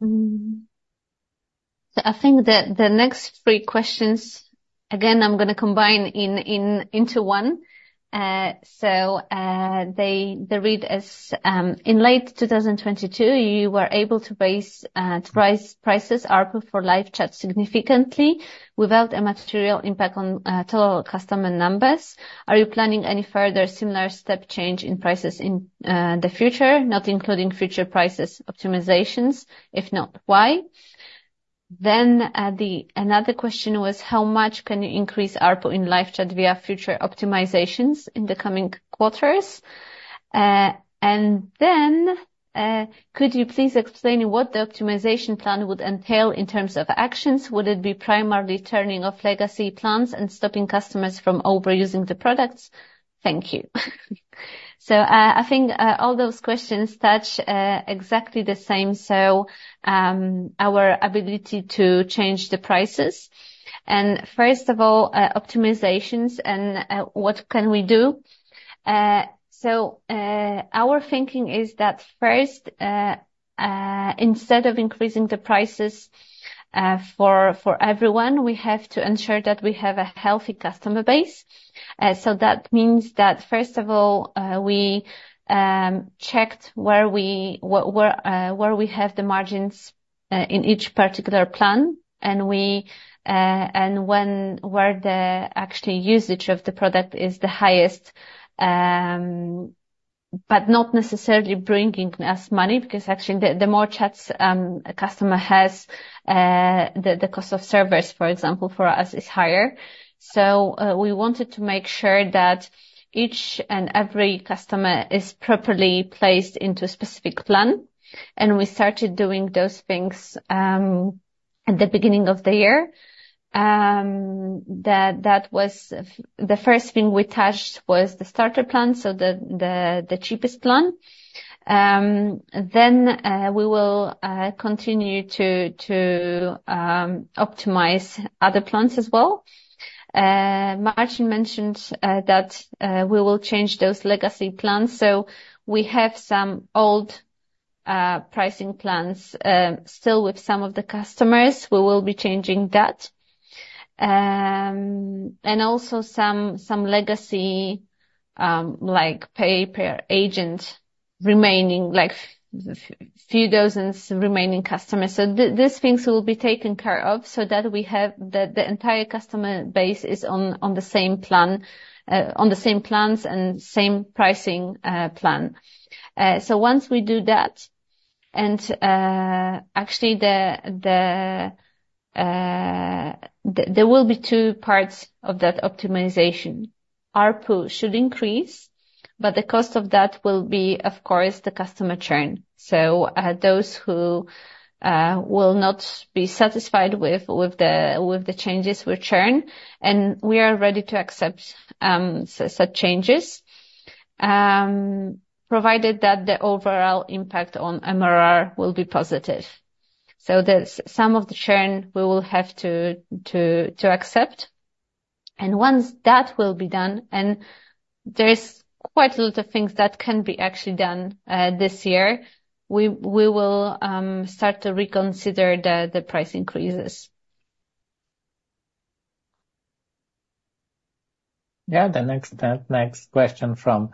So I think that the next three questions, again, I'm going to combine into one. So they read as, in late 2022, you were able to raise prices ARPU for LiveChat significantly without a material impact on total customer numbers. Are you planning any further similar step change in prices in the future, not including future prices optimizations? If not, why? Then another question was, how much can you increase ARPA in LiveChat via future optimizations in the coming quarters? Could you please explain what the optimization plan would entail in terms of actions? Would it be primarily turning off legacy plans and stopping customers from overusing the products? Thank you. So I think all those questions touch exactly the same. So our ability to change the prices. And first of all, optimizations and what can we do? So our thinking is that first, instead of increasing the prices for everyone, we have to ensure that we have a healthy customer base. So that means that first of all, we checked where we have the margins in each particular plan. And when the actual usage of the product is the highest, but not necessarily bringing us money, because actually the more chats a customer has, the cost of service, for example, for us is higher. So we wanted to make sure that each and every customer is properly placed into a specific plan. And we started doing those things at the beginning of the year. That was the first thing we touched was the starter plan, so the cheapest plan. Then we will continue to optimize other plans as well. Marcin mentioned that we will change those legacy plans. So we have some old pricing plans still with some of the customers. We will be changing that. And also some legacy like pay per agent remaining, like a few dozen remaining customers. So these things will be taken care of so that we have that the entire customer base is on the same plan, on the same plans and same pricing plan. So once we do that, and actually there will be two parts of that optimization. ARPU should increase, but the cost of that will be, of course, the customer churn. So those who will not be satisfied with the changes with churn, and we are ready to accept such changes, provided that the overall impact on MRR will be positive. So there's some of the churn we will have to accept. And once that will be done, and there's quite a lot of things that can be actually done this year, we will start to reconsider the price increases. Yeah, the next question is from,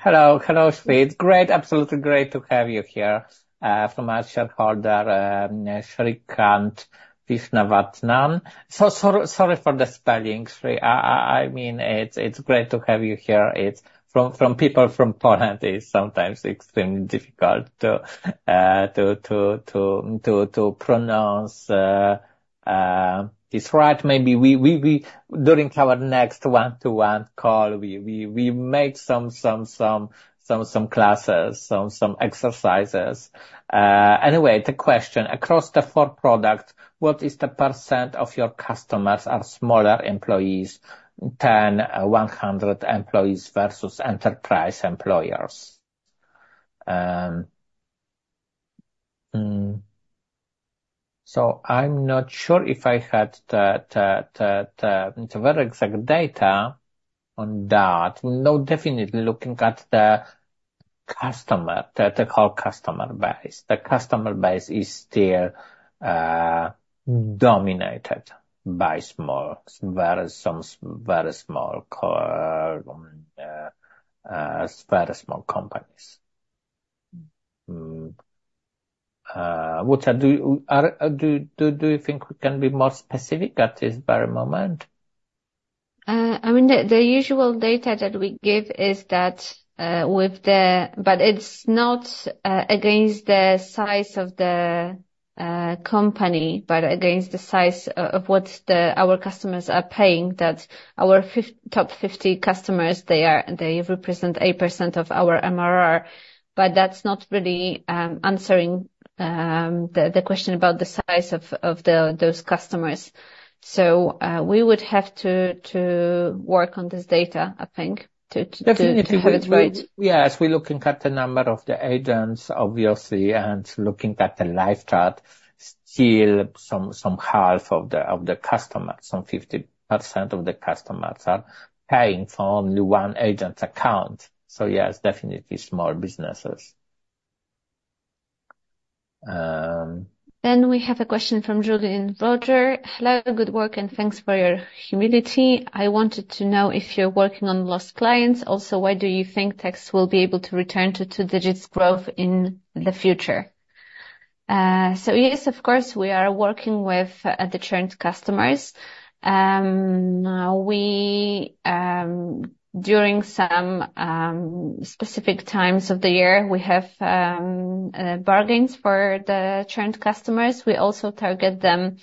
hello, hello. Sweet, great, absolutely great to have you here. From our shareholder, Shrikanth Vishwanathan. So sorry for the spelling, I mean it's great to have you here. It's from people from Poland is sometimes extremely difficult to pronounce. It's right, maybe we during our next one-to-one call, we make some classes, some exercises. Anyway, the question, across the four products, what is the percent of your customers are smaller employers, 10, 100 employees versus enterprise employers? So I'm not sure if I had the very exact data on that. No, definitely looking at the customer, the whole customer base. The customer base is still dominated by small, very small companies. Which I do. Or do you think we can be more specific at this very moment? I mean, the usual data that we give is that with the, but it's not against the size of the company, but against the size of what our customers are paying, that our top 50 customers represent 8% of our MRR. But that's not really answering the question about the size of those customers. So we would have to work on this data, I think, to have it right. Definitely. Yes, we're looking at the number of agents, obviously, and looking at the LiveChat, still some half of the customers, some 50% of the customers are paying for only one agent's account. So yes, definitely small businesses. Then we have a question from Julian Roger. Hello, good work and thanks for your humility. I wanted to know if you're working on lost clients. Also, why do you think Text will be able to return to two digits growth in the future? So yes, of course, we are working with the churned customers. Now, we during some specific times of the year, we have bargains for the churned customers. We also target them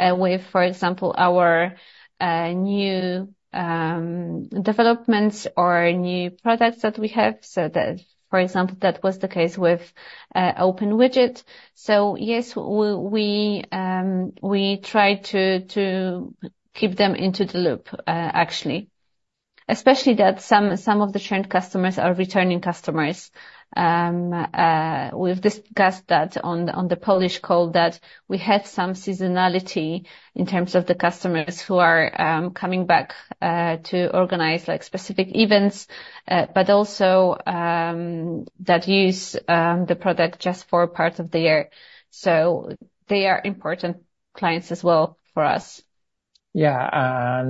with, for example, our new developments or new products that we have. So that, for example, that was the case with OpenWidget. So yes, we try to keep them into the loop, actually. Especially that some of the churned customers are returning customers. We've discussed that on the Polish call that we have some seasonality in terms of the customers who are coming back to organize like specific events, but also that use the product just for part of the year. So they are important clients as well for us. Yeah,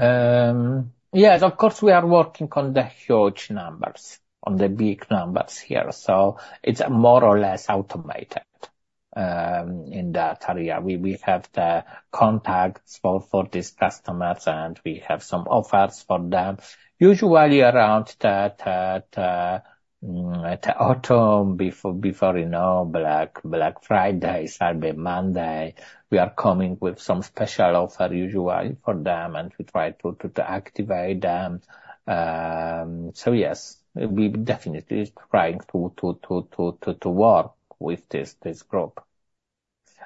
and yes, of course we are working on the huge numbers, on the big numbers here. So it's more or less automated in that area. We have the contacts for these customers and we have some offers for them. Usually around the autumn, before, you know, Black Friday, Sunday, Monday, we are coming with some special offer usually for them and we try to activate them. So yes, we're definitely trying to work with this group.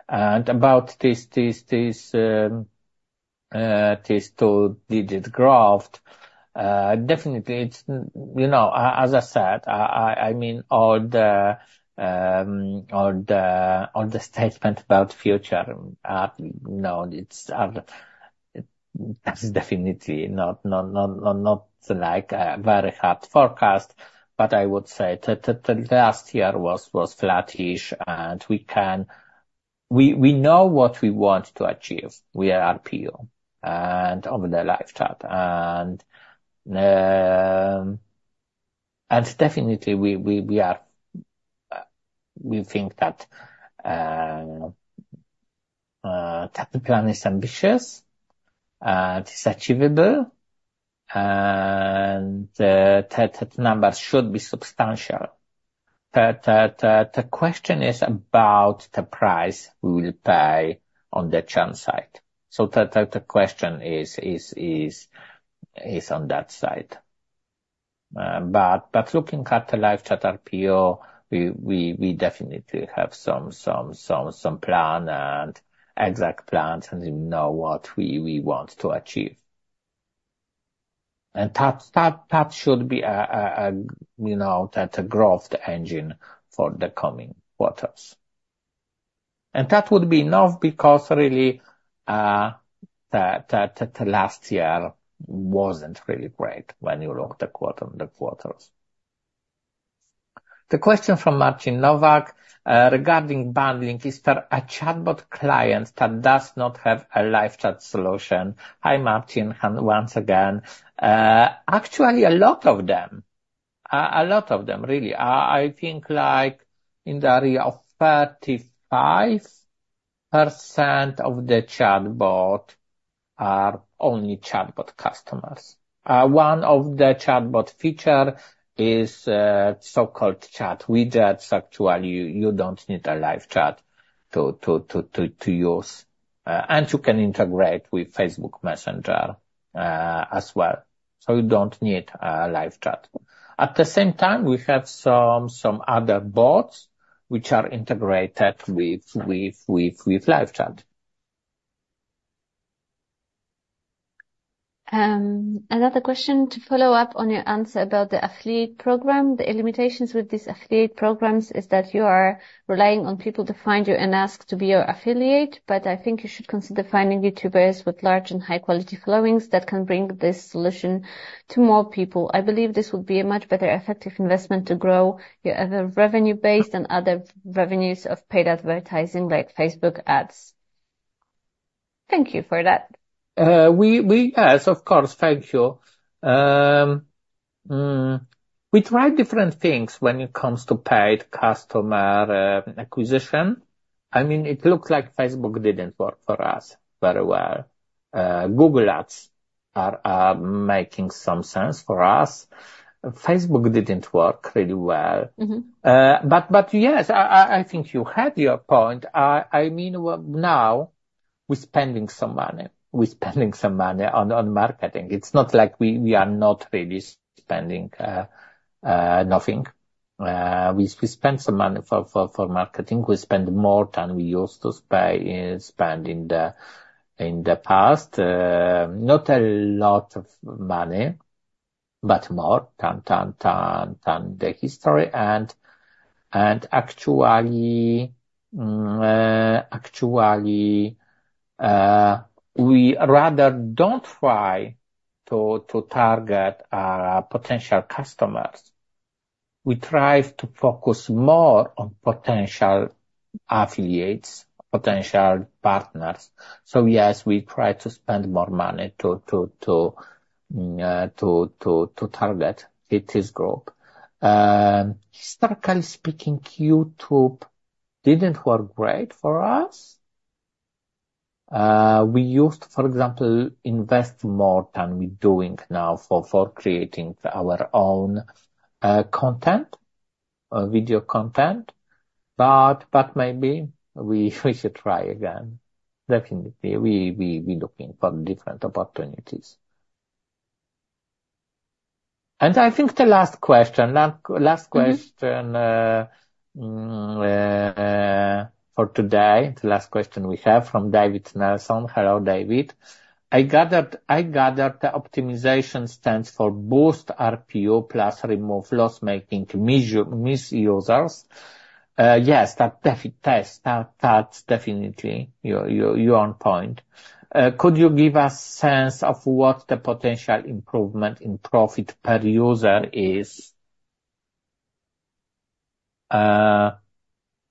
And about this two-digit growth, definitely it's, you know, as I said, I mean all the statements about future, you know, it's that's definitely not like a very hard forecast. But I would say the last year was flattish and we know what we want to achieve. We are ARPU and over the LiveChat. And definitely we think that the plan is ambitious and it's achievable. And the numbers should be substantial. The question is about the price we will pay on the churn side. So the question is on that side. But looking at the LiveChat RPO, we definitely have some plan and exact plans and we know what we want to achieve. And that should be a you know, a growth engine for the coming quarters. And that would be enough because really the last year wasn't really great when you look at the quarter on the quarters. The question from Martin Novak regarding bundling, is there a ChatBot client that does not have a LiveChat solution? Hi Martin, once again. Actually a lot of them really. I think like in the area of 35% of the ChatBot are only ChatBot customers. One of the ChatBot feature is so-called chat widgets. Actually you don't need a LiveChat to use. You can integrate with Facebook Messenger as well. So you don't need a live chat. At the same time, we have some other bots which are integrated with live chat. Another question to follow up on your answer about the affiliate program. The limitations with these affiliate programs is that you are relying on people to find you and ask to be your affiliate. But I think you should consider finding YouTubers with large and high-quality followings that can bring this solution to more people. I believe this would be a much better effective investment to grow your other revenue base than other revenues of paid advertising like Facebook ads. Thank you for that. We yes, of course, thank you. We tried different things when it comes to paid customer acquisition. I mean, it looks like Facebook didn't work for us very well. Google Ads are making some sense for us. Facebook didn't work really well. But yes, I think you had your point. I mean, now we're spending some money. We're spending some money on marketing. It's not like we are not really spending nothing. We spend some money for marketing. We spend more than we used to spend in the past. Not a lot of money, but more than the history. And actually we rather don't try to target our potential customers. We try to focus more on potential affiliates, potential partners. So yes, we try to spend more money to target this group. Historically speaking, YouTube didn't work great for us. We used, for example, invest more than we're doing now for creating our own content, video content. But maybe we should try again. Definitely. We're looking for different opportunities. And I think the last question for today, the last question we have from David Nelson. Hello David. I gathered the optimization stands for boost RPO plus remove loss-making misusers. Yes, that's definitely your own point. Could you give us a sense of what the potential improvement in profit per user is?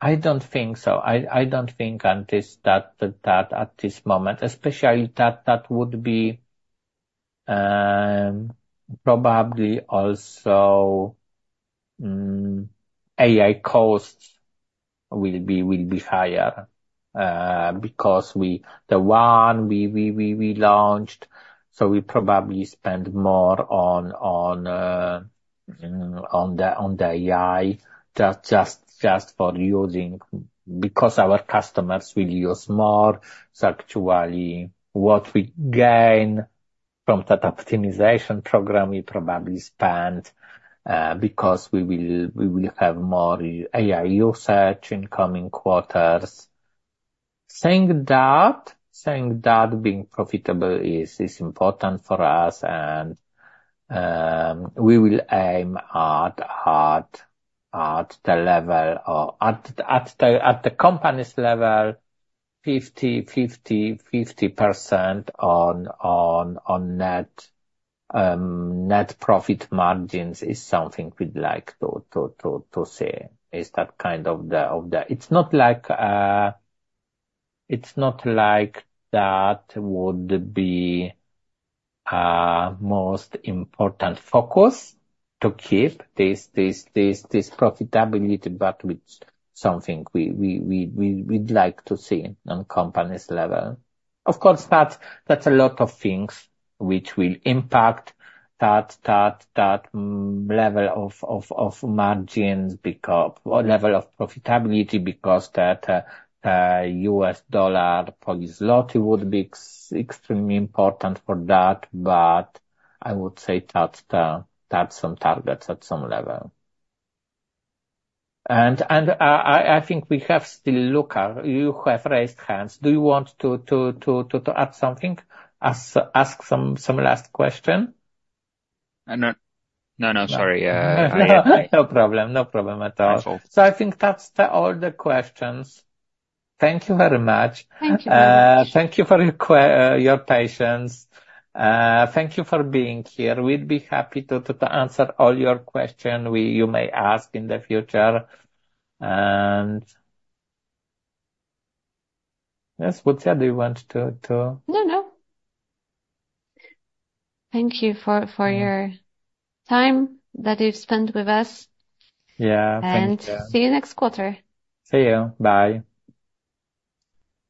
I don't think so. I don't think at this moment, especially that would be probably also AI costs will be higher because the one we launched, so we probably spend more on the AI just for using because our customers will use more. So actually what we gain from that optimization program, we probably spend because we will have more AI usage in coming quarters. Saying that being profitable is important for us and we will aim at the level or at the company's level, 50% on net profit margins is something we'd like to see. Is that kind of the it's not like it's not like that would be most important focus to keep this profitability, but it's something we'd like to see on company's level. Of course, that's a lot of things which will impact that level of margins because level of profitability because the US dollar to Polish złoty would be extremely important for that, but I would say that's some targets at some level. And I think we still look at you have raised hands. Do you want to add something? Ask some last question? I'm not. No, no, sorry. Yeah, no problem, no problem at all. So I think that's all the questions. Thank you very much. Thank you very much. Thank you for your patience. Thank you for being here. We'd be happy to answer all your questions you may ask in the future. And yes, Łucja, do you want to? No, no. Thank you for your time that you've spent with us. Yeah, thank you. And see you next quarter. See you, bye.